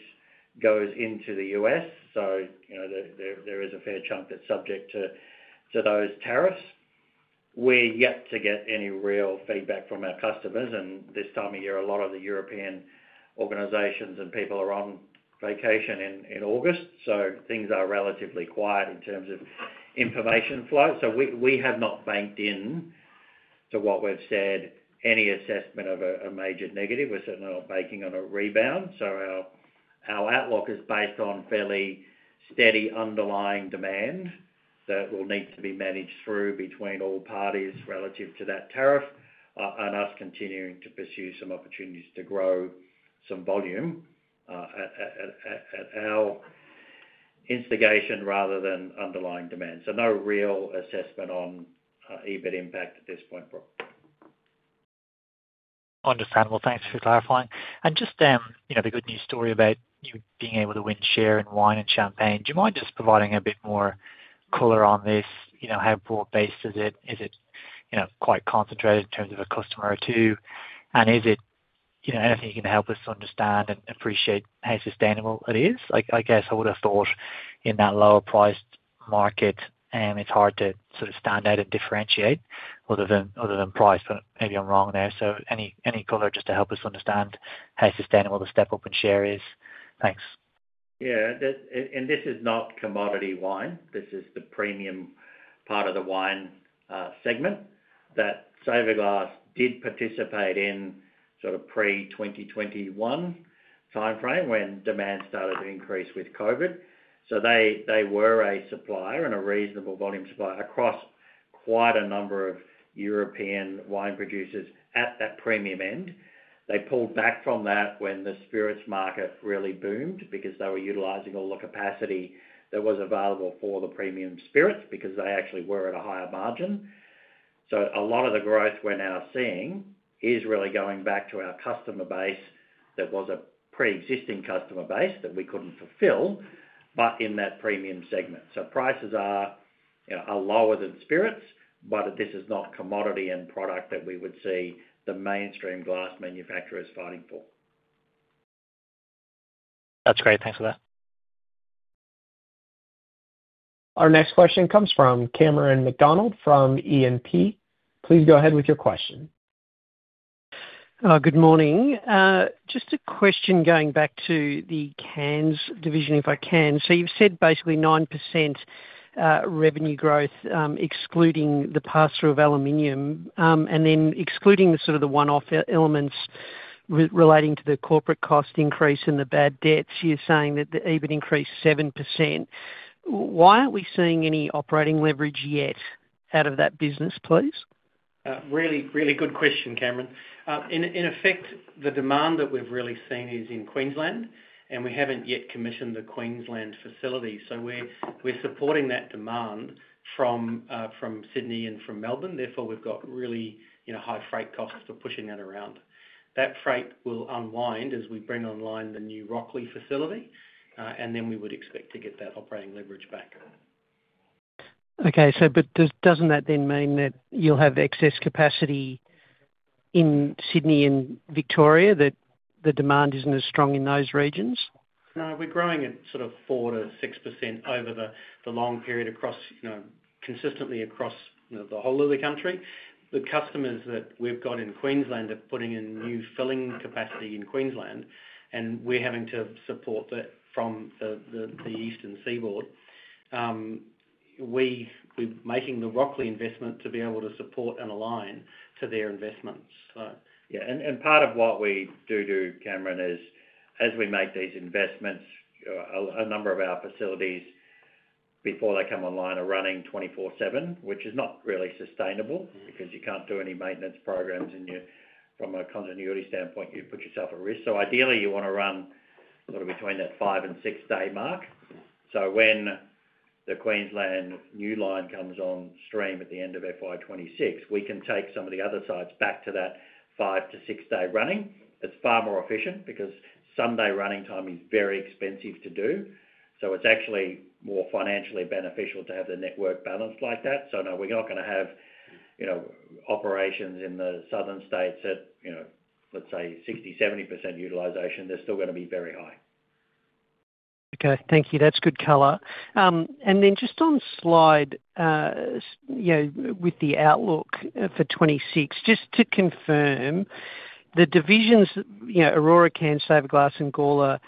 goes into the U.S. There is a fair chunk that's subject to those tariffs. We're yet to get any real feedback from our customers, and this time of year, a lot of the European organizations and people are on vacation in August. Things are relatively quiet in terms of information flow. We have not banked in to what we've said, any assessment of a major negative. We're certainly not banking on a rebound. Our outlook is based on fairly steady underlying demand that will need to be managed through between all parties relative to that tariff and us continuing to pursue some opportunities to grow some volume at our instigation rather than underlying demand. No real assessment on EBIT impact at this point, Brook. Thanks for clarifying. The good news story about you being able to win share in wine and champagne, do you mind just providing a bit more color on this? How broad-based is it? Is it quite concentrated in terms of a customer or two? Is there anything you can help us understand and appreciate how sustainable it is? I guess I would have thought in that lower-priced market, it's hard to sort of stand out and differentiate other than price, but maybe I'm wrong there. Any color just to help us understand how sustainable the step-up in share is? Thanks. Yeah, and this is not commodity wine. This is the premium part of the wine segment that Saverglass did participate in sort of pre-2021 timeframe when demand started to increase with COVID. They were a supplier and a reasonable volume supplier across quite a number of European wine producers at that premium end. They pulled back from that when the spirits market really boomed because they were utilizing all the capacity that was available for the premium spirits because they actually were at a higher margin. A lot of the growth we're now seeing is really going back to our customer base that was a pre-existing customer base that we couldn't fulfill, but in that premium segment. Prices are, you know, lower than spirits, but this is not commodity and product that we would see the mainstream glass manufacturers fighting for. That's great. Thanks for that. Our next question comes from Cameron McDonald from E&P. Please go ahead with your question. Good morning. Just a question going back to the cans division, if I can. You've said basically 9% revenue growth, excluding the pass-through of aluminum, and then excluding the sort of the one-off elements relating to the corporate cost increase and the bad debts. You're saying that the EBIT increased 7%. Why aren't we seeing any operating leverage yet out of that business, please? Really, really good question, Cameron. In effect, the demand that we've really seen is in Queensland, and we haven't yet commissioned the Queensland facility. We're supporting that demand from Sydney and from Melbourne. Therefore, we've got really high freight costs for pushing that around. That freight will unwind as we bring online the new Rocklea facility, and then we would expect to get that operating leverage back. Okay, doesn't that then mean that you'll have excess capacity in Sydney and Victoria, that the demand isn't as strong in those regions? No, we're growing at sort of 4%-6% over the long period across, you know, consistently across the whole of the country. The customers that we've got in Queensland are putting in new filling capacity in Queensland, and we're having to support that from the eastern seaboard. We're making the Rocklea investment to be able to support and align to their investments. Yeah, and part of what we do, Cameron, is as we make these investments, a number of our facilities, before they come online, are running 24/7, which is not really sustainable because you can't do any maintenance programs, and from a continuity standpoint, you put yourself at risk. Ideally, you want to run a lot of between that five and six-day mark. When the Queensland new line comes on stream at the end of FY 2026, we can take some of the other sites back to that five to six-day running. It's far more efficient because Sunday running time is very expensive to do. It's actually more financially beneficial to have the network balanced like that. No, we're not going to have, you know, operations in the southern states at, you know, let's say 60%-70% utilization. They're still going to be very high. Okay, thank you. That's good color. Then just on slide, you know, with the outlook for 2026, just to confirm, the divisions, you know, Orora Cans, Saverglass, and Gawler,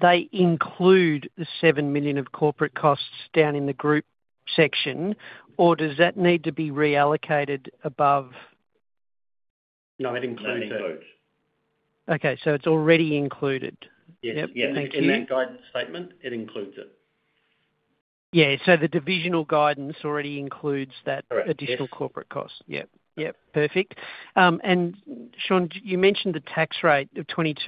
they include the 7 million of corporate costs down in the group section, or does that need to be reallocated above? No, it includes it. Okay, so it's already included. Yep, yep, in that guidance statement, it includes it. Yeah, the divisional guidance already includes that additional corporate cost. Correct. Yep, yep, perfect. Sean, you mentioned the tax rate of 22%,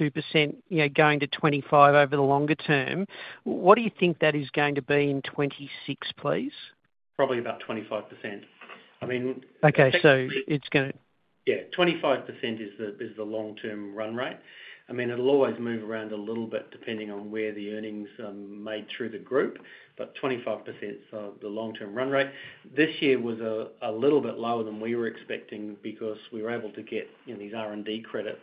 you know, going to 25% over the longer term. What do you think that is going to be in 2026, please? Probably about 25%. I mean. Okay, so it's going to. Yeah, 25% is the long-term run rate. I mean, it'll always move around a little bit depending on where the earnings are made through the group, but 25% is the long-term run rate. This year was a little bit lower than we were expecting because we were able to get these R&D credits,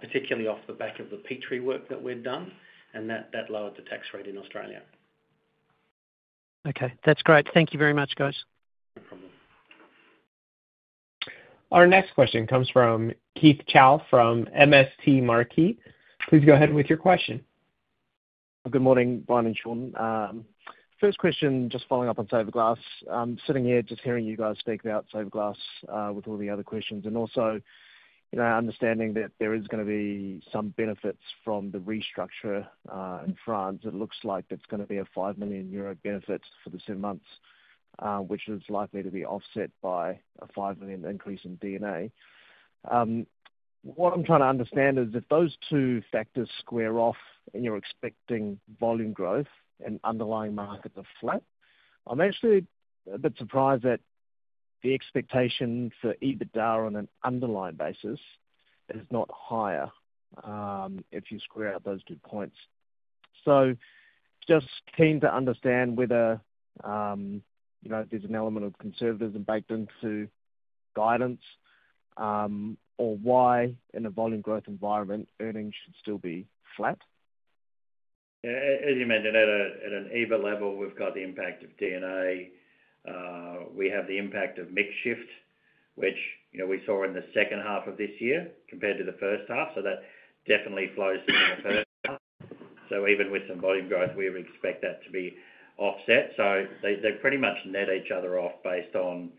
particularly off the back of the Petrie work that we've done, and that lowered the tax rate in Australia. Okay, that's great. Thank you very much, guys. Our next question comes from Keith Chau from MST Marquee. Please go ahead with your question. Good morning, Brian and Sean. First question, just following up on Saverglass. I'm sitting here just hearing you guys speak about Saverglass with all the other questions and also, you know, understanding that there is going to be some benefits from the restructure in France. It looks like it's going to be a 5 million euro benefit for the two months, which is likely to be offset by a 5 million increase in DNA. What I'm trying to understand is if those two factors square off and you're expecting volume growth and underlying markets are flat, I'm actually a bit surprised that the expectation for EBITDA on an underlying basis is not higher if you square out those two points. Just keen to understand whether, you know, there's an element of conservatism baked into guidance or why in a volume growth environment earnings should still be flat. Yeah, as you mentioned, at an EBIT level, we've got the impact of DNA. We have the impact of mix shift, which, you know, we saw in the second half of this year compared to the first half. That definitely flows through to the first half. Even with some volume growth, we would expect that to be offset. They pretty much net each other off based on,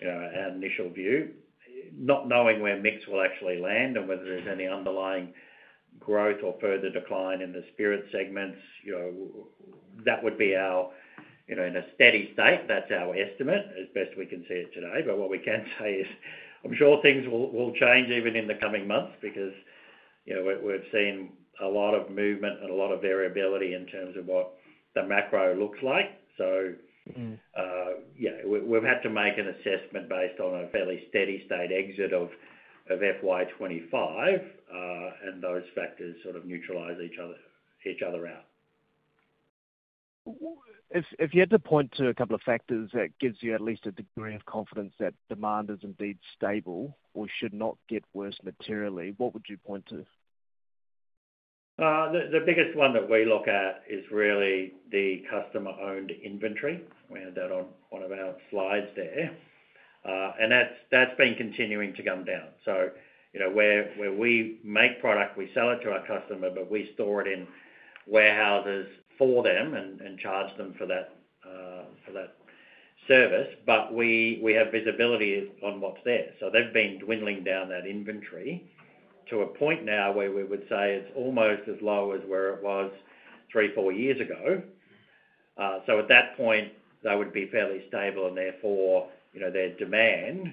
you know, our initial view, not knowing where mix will actually land and whether there's any underlying growth or further decline in the spirit segments. That would be our, you know, in a steady state. That's our estimate as best we can see it today. What we can say is I'm sure things will change even in the coming months because, you know, we've seen a lot of movement and a lot of variability in terms of what the macro looks like. We've had to make an assessment based on a fairly steady state exit of FY 2025, and those factors sort of neutralize each other out. If you had to point to a couple of factors that give you at least a degree of confidence that demand is indeed stable or should not get worse materially, what would you point to? The biggest one that we look at is really the customer-owned inventory. We had that on one of our slides there, and that's been continuing to come down. Where we make product, we sell it to our customer, but we store it in warehouses for them and charge them for that service. We have visibility on what's there. They've been dwindling down that inventory to a point now where we would say it's almost as low as where it was three or four years ago. At that point, that would be fairly stable, and therefore, their demand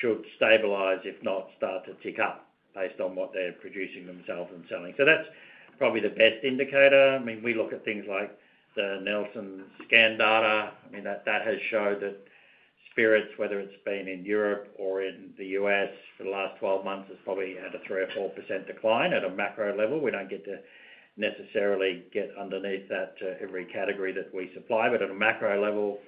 should stabilize, if not start to tick up based on what they're producing themselves and selling. That's probably the best indicator. We look at things like the Nielsen scan data. That has showed that spirits, whether it's been in Europe or in the U.S. for the last 12 months, has probably had a 3% or 4% decline at a macro level. We don't get to necessarily get underneath that to every category that we supply, but at a macro level,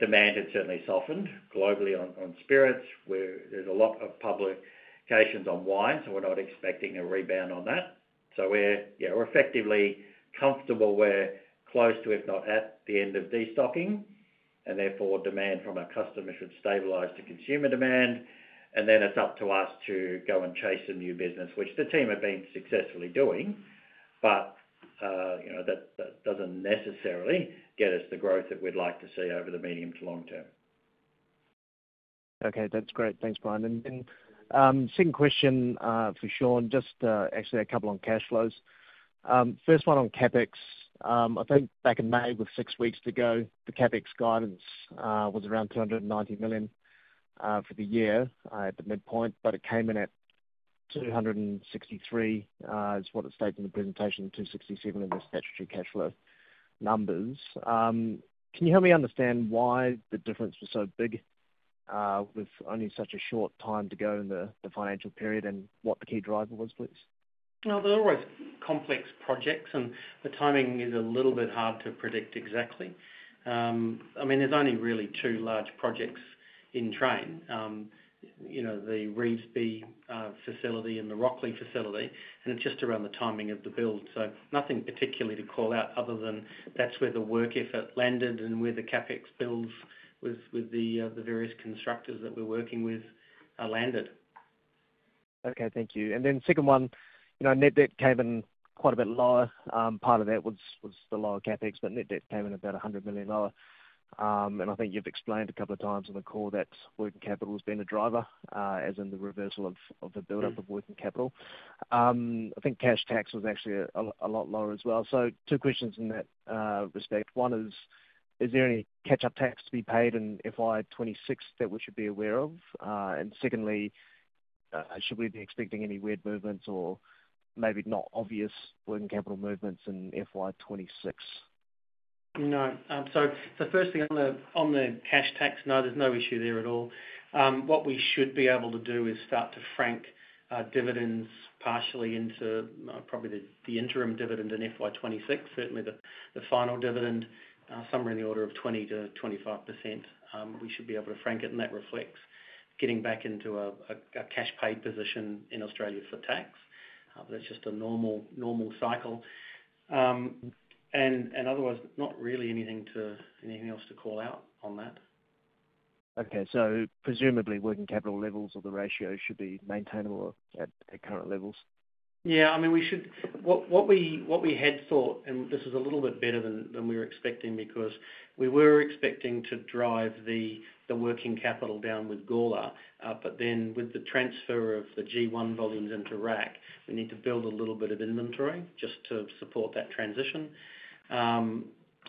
demand has certainly softened globally on spirits. There are a lot of publications on wines, and we're not expecting a rebound on that. We're effectively comfortable. We're close to, if not at the end of destocking, and therefore demand from our customers should stabilize to consumer demand. It's up to us to go and chase new business, which the team have been successfully doing, but that doesn't necessarily get us the growth that we'd like to see over the medium to long-term. Okay, that's great. Thanks, Brian. Same question for Sean, just actually a couple on cash flows. First one on CapEx. I think back in May, with six weeks to go, the CapEx guidance was around 290 million for the year at the midpoint, but it came in at 263 million is what it states in the presentation, 267 million in the statutory cash flow numbers. Can you help me understand why the difference was so big with only such a short time to go in the financial period and what the key driver was, please? There are always complex projects, and the timing is a little bit hard to predict exactly. I mean, there's only really two large projects in train, you know, the Revesby facility and the Rocklea facility, and it's just around the timing of the build. Nothing particularly to call out other than that's where the work effort landed and where the CapEx bills with the various constructors that we're working with landed. Okay, thank you. The second one, you know, net debt came in quite a bit lower. Part of that was the lower CapEx, but net debt came in about 100 million lower. I think you've explained a couple of times on the call that working capital has been a driver as in the reversal of the build-up of working capital. I think cash tax was actually a lot lower as well. Two questions in that respect. One is, is there any catch-up tax to be paid in FY 2026 that we should be aware of? Secondly, should we be expecting any weird movements or maybe not obvious working capital movements in FY 2026? No, so it's the first thing on the cash tax, no, there's no issue there at all. What we should be able to do is start to frank dividends partially into, probably the interim dividend in FY 2026, certainly the final dividend, somewhere in the order of 20%-25%. We should be able to frank it, and that reflects getting back into a cash paid position in Australia for tax. That's just a normal cycle. Otherwise, not really anything else to call out on that. Okay. Presumably, working capital levels or the ratio should be maintainable at current levels? Yeah. I mean, what we had thought, and this is a little bit better than we were expecting because we were expecting to drive the working capital down with Gawler, but then with the transfer of the G1 volumes into Rocklea, we need to build a little bit of inventory just to support that transition.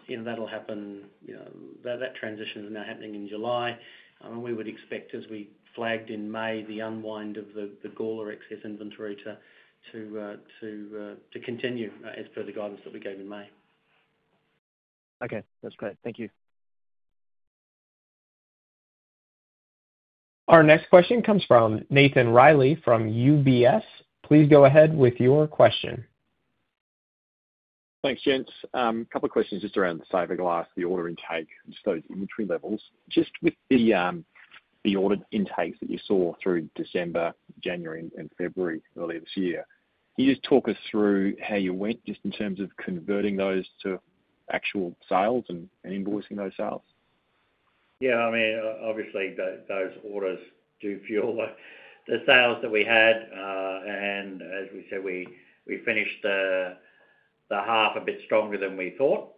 You know, that transition is now happening in July, and we would expect, as we flagged in May, the unwind of the Gawler excess inventory to continue, as per the guidance that we gave in May. Okay, that's great. Thank you. Our next question comes from Nathan Reilly from UBS. Please go ahead with your question. Thanks, James. A couple of questions just around the Saverglass, the order intake, and the inventory levels. With the order intakes that you saw through December, January, and February earlier this year, can you just talk us through how you went in terms of converting those to actual sales and invoicing those sales? Yeah. I mean, obviously, those orders do fuel the sales that we had. As we said, we finished the half a bit stronger than we thought.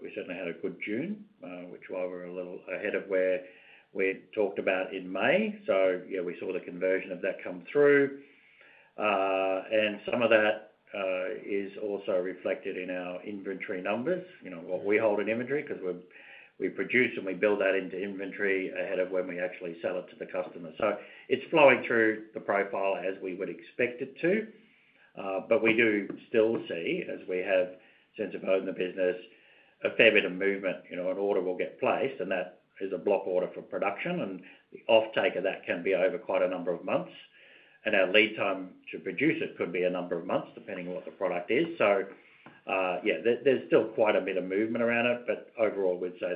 We certainly had a good June, which is why we're a little ahead of where we had talked about in May. We saw the conversion of that come through. Some of that is also reflected in our inventory numbers, you know, what we hold in inventory because we produce and we build that into inventory ahead of when we actually sell it to the customer. It's flowing through the profile as we would expect it to. We do still see, as we have since we've opened the business, a fair bit of movement. You know, an order will get placed, and that is a block order for production, and the offtake of that can be over quite a number of months. Our lead time to produce it could be a number of months depending on what the product is. There's still quite a bit of movement around it, but overall, we'd say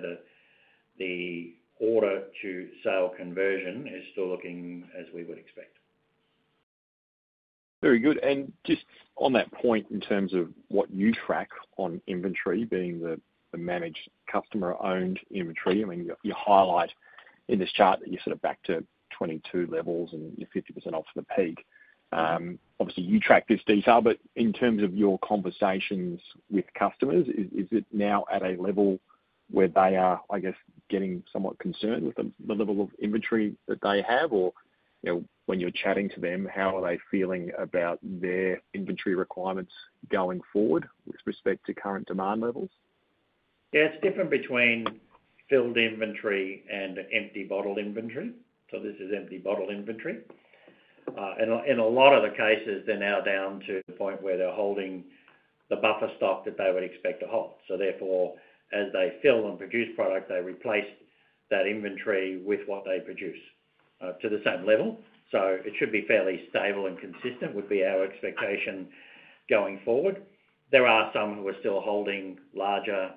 the order to sale conversion is still looking as we would expect. Very good. Just on that point in terms of what you track on inventory being the managed customer-owned inventory, you highlight in this chart that you're sort of back to 2022 levels and you're 50% off the peak. Obviously, you track this detail, but in terms of your conversations with customers, is it now at a level where they are, I guess, getting somewhat concerned with the level of inventory that they have? When you're chatting to them, how are they feeling about their inventory requirements going forward with respect to current demand levels? Yeah. It's different between filled inventory and empty bottle inventory. This is empty bottle inventory. In a lot of the cases, they're now down to the point where they're holding the buffer stock that they would expect to hold. Therefore, as they fill and produce product, they replace that inventory with what they produce, to the same level. It should be fairly stable and consistent, would be our expectation going forward. There are some we're still holding larger,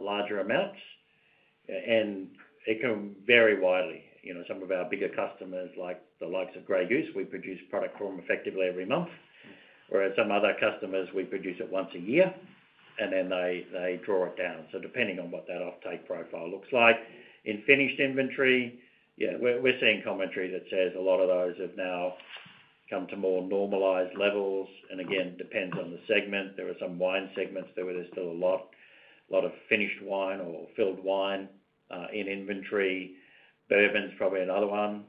larger amounts, and it can vary widely. Some of our bigger customers, like the likes of Grey Goose, we produce product for them effectively every month, whereas some other customers, we produce it once a year, and then they draw it down. Depending on what that offtake profile looks like. In finished inventory, we're seeing commentary that says a lot of those have now come to more normalized levels. Again, depends on the segment. There were some wine segments. There's still a lot of finished wine or filled wine in inventory. Bourbon's probably another one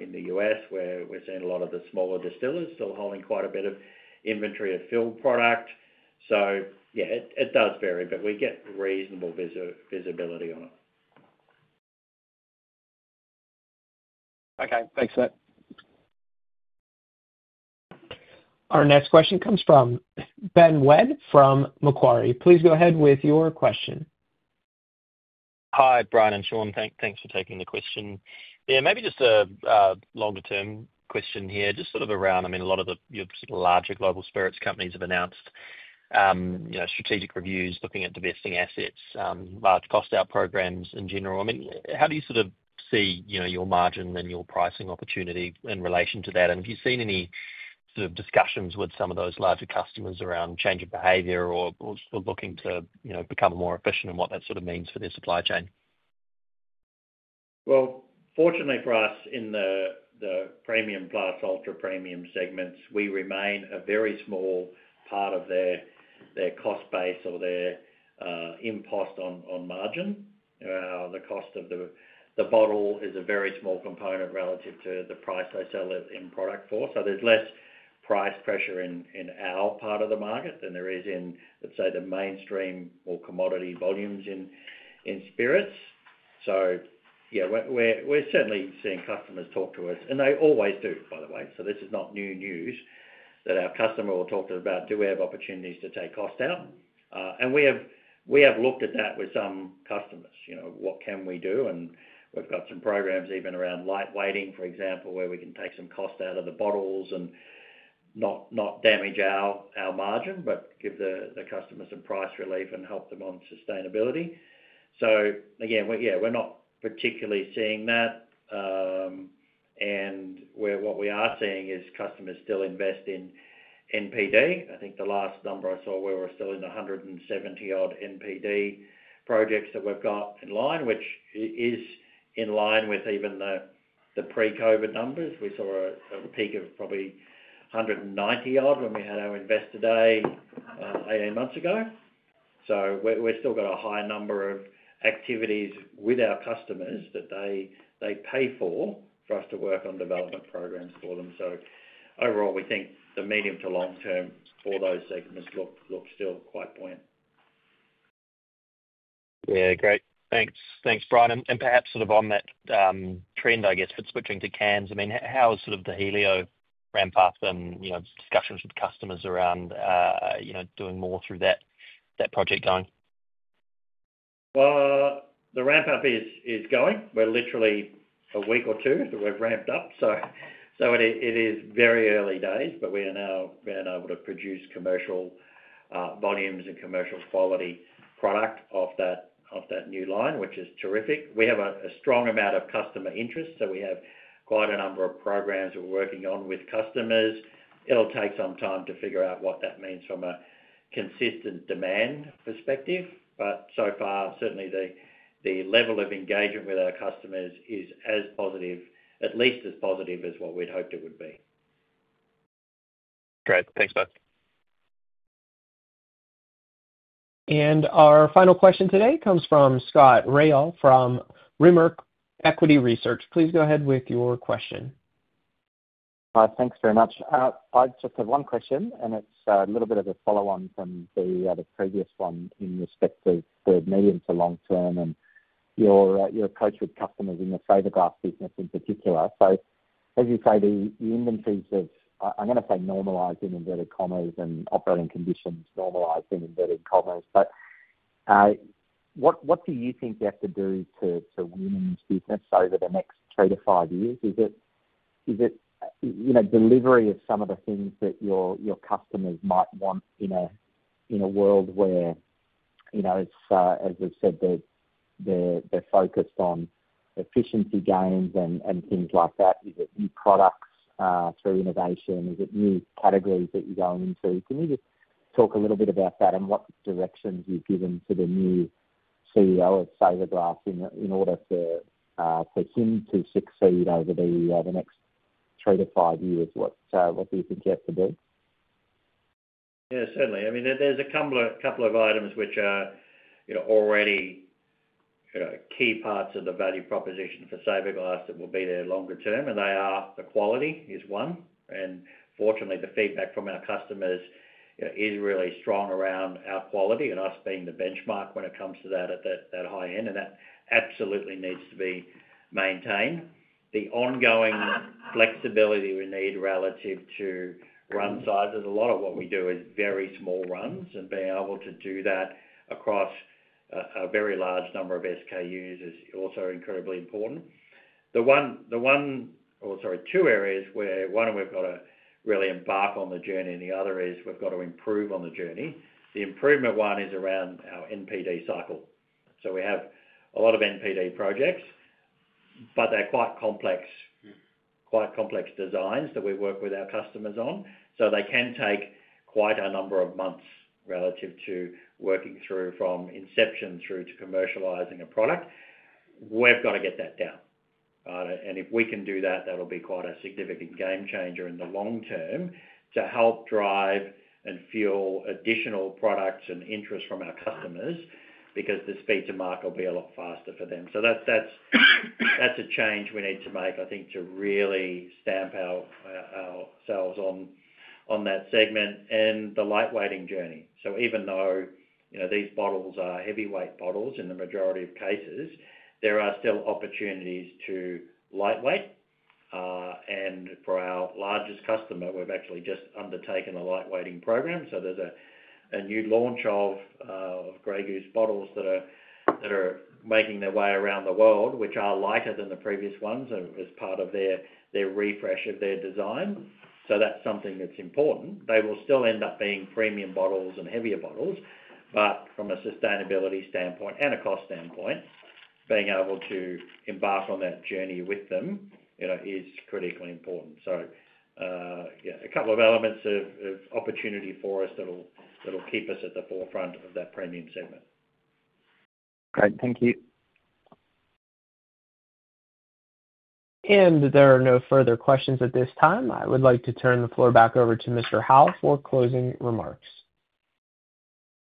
in the U.S. where we're seeing a lot of the smaller distillers still holding quite a bit of inventory of filled product. It does vary, but we get reasonable visibility on it. Okay. Thanks for that. Our next question comes from Ben Wedd from Macquarie. Please go ahead with your question. Hi, Brian and Sean. Thanks for taking the question. Maybe just a longer-term question here, just sort of around, I mean, a lot of your sort of larger global spirits companies have announced, you know, strategic reviews, looking at divesting assets, large cost-out programs in general. I mean, how do you sort of see, you know, your margin and your pricing opportunity in relation to that? Have you seen any sort of discussions with some of those larger customers around change of behavior or looking to, you know, become more efficient and what that sort of means for their supply chain? Fortunately for us in the premium plus ultra premium segments, we remain a very small part of their cost base or their impost on margin. You know, the cost of the bottle is a very small component relative to the price they sell it in product for. There's less price pressure in our part of the market than there is in, let's say, the mainstream or commodity volumes in spirits. We're certainly seeing customers talk to us. They always do, by the way. This is not new news that our customer will talk to us about, do we have opportunities to take cost out? We have looked at that with some customers. You know, what can we do? We've got some programs even around lightweighting, for example, where we can take some cost out of the bottles and not damage our margin, but give the customer some price relief and help them on sustainability. Again, we're not particularly seeing that. What we are seeing is customers still invest in NPD. I think the last number I saw, we're still in the 170-odd NPD projects that we've got in line, which is in line with even the pre-COVID numbers. We saw a peak of probably 190-odd when we had our investor day, eight months ago. We've still got a high number of activities with our customers that they pay for us to work on development programs for them. Overall, we think the medium to long term for those segments look still quite buoyant. Yeah. Great. Thanks. Thanks, Brian. Perhaps sort of on that trend, I guess, but switching to cans, I mean, how is sort of the Helio ramp up and, you know, discussions with customers around, you know, doing more through that project going? The ramp up is going. We're literally a week or two that we've ramped up. It is very early days, but we are now able to produce commercial volumes and commercial quality product off that new line, which is terrific. We have a strong amount of customer interest. We have quite a number of programs we're working on with customers. It'll take some time to figure out what that means from a consistent demand perspective. So far, certainly, the level of engagement with our customers is as positive, at least as positive as what we'd hoped it would be. Great. Thanks, both. Our final question today comes from Scott Ryall from Rimor Equity Research. Please go ahead with your question. All right. Thanks very much. I just have one question, and it's a little bit of a follow-on from the previous one in respect to the medium to long term and your approach with customers in the fiberglass business in particular. As you say, the inventories have, I'm going to say, normalized in inverted commas and operating conditions normalized in inverted commas. What do you think you have to do to win this business over the next three to five years? Is it, you know, delivery of some of the things that your customers might want in a world where, you know, as we've said, they're focused on efficiency gains and things like that? Is it new products, through innovation? Is it new categories that you're going into? Can you just talk a little bit about that and what directions you've given to the new CEO of Fiberglass in order for him to succeed over the next three to five years? What do you think you have to do? Yeah. Certainly. I mean, there's a couple of items which are already key parts of the value proposition for Saverglass that will be there longer term. They are the quality is one. Fortunately, the feedback from our customers is really strong around our quality and us being the benchmark when it comes to that at that high end. That absolutely needs to be maintained. The ongoing flexibility we need relative to run sizes, a lot of what we do is very small runs, and being able to do that across a very large number of SKUs is also incredibly important. The one or, sorry, two areas where one we've got to really embark on the journey and the other is we've got to improve on the journey. The improvement one is around our NPD cycle. We have a lot of NPD projects, but they're quite complex, quite complex designs that we work with our customers on. They can take quite a number of months relative to working through from inception through to commercializing a product. We've got to get that down. If we can do that, that'll be quite a significant game changer in the long term to help drive and fuel additional products and interest from our customers because the speed to market will be a lot faster for them. That's a change we need to make, I think, to really stamp out ourselves on that segment and the lightweighting journey. Even though these bottles are heavyweight bottles in the majority of cases, there are still opportunities to lightweight. For our largest customer, we've actually just undertaken a lightweighting program. There's a new launch of Grey Goose bottles that are making their way around the world, which are lighter than the previous ones as part of their refresh of their design. That's something that's important. They will still end up being premium bottles and heavier bottles, but from a sustainability standpoint and a cost standpoint, being able to embark on that journey with them is critically important. Yeah, a couple of elements of opportunity for us that'll keep us at the forefront of that premium segment. Great. Thank you. There are no further questions at this time. I would like to turn the floor back over to Mr. Lowe for closing remarks.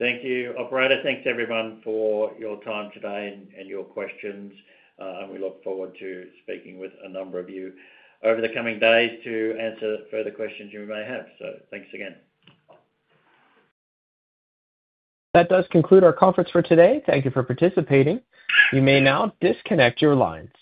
Thank you, operator. Thanks, everyone, for your time today and your questions. We look forward to speaking with a number of you over the coming days to answer further questions you may have. Thanks again. That does conclude our conference for today. Thank you for participating. You may now disconnect your lines.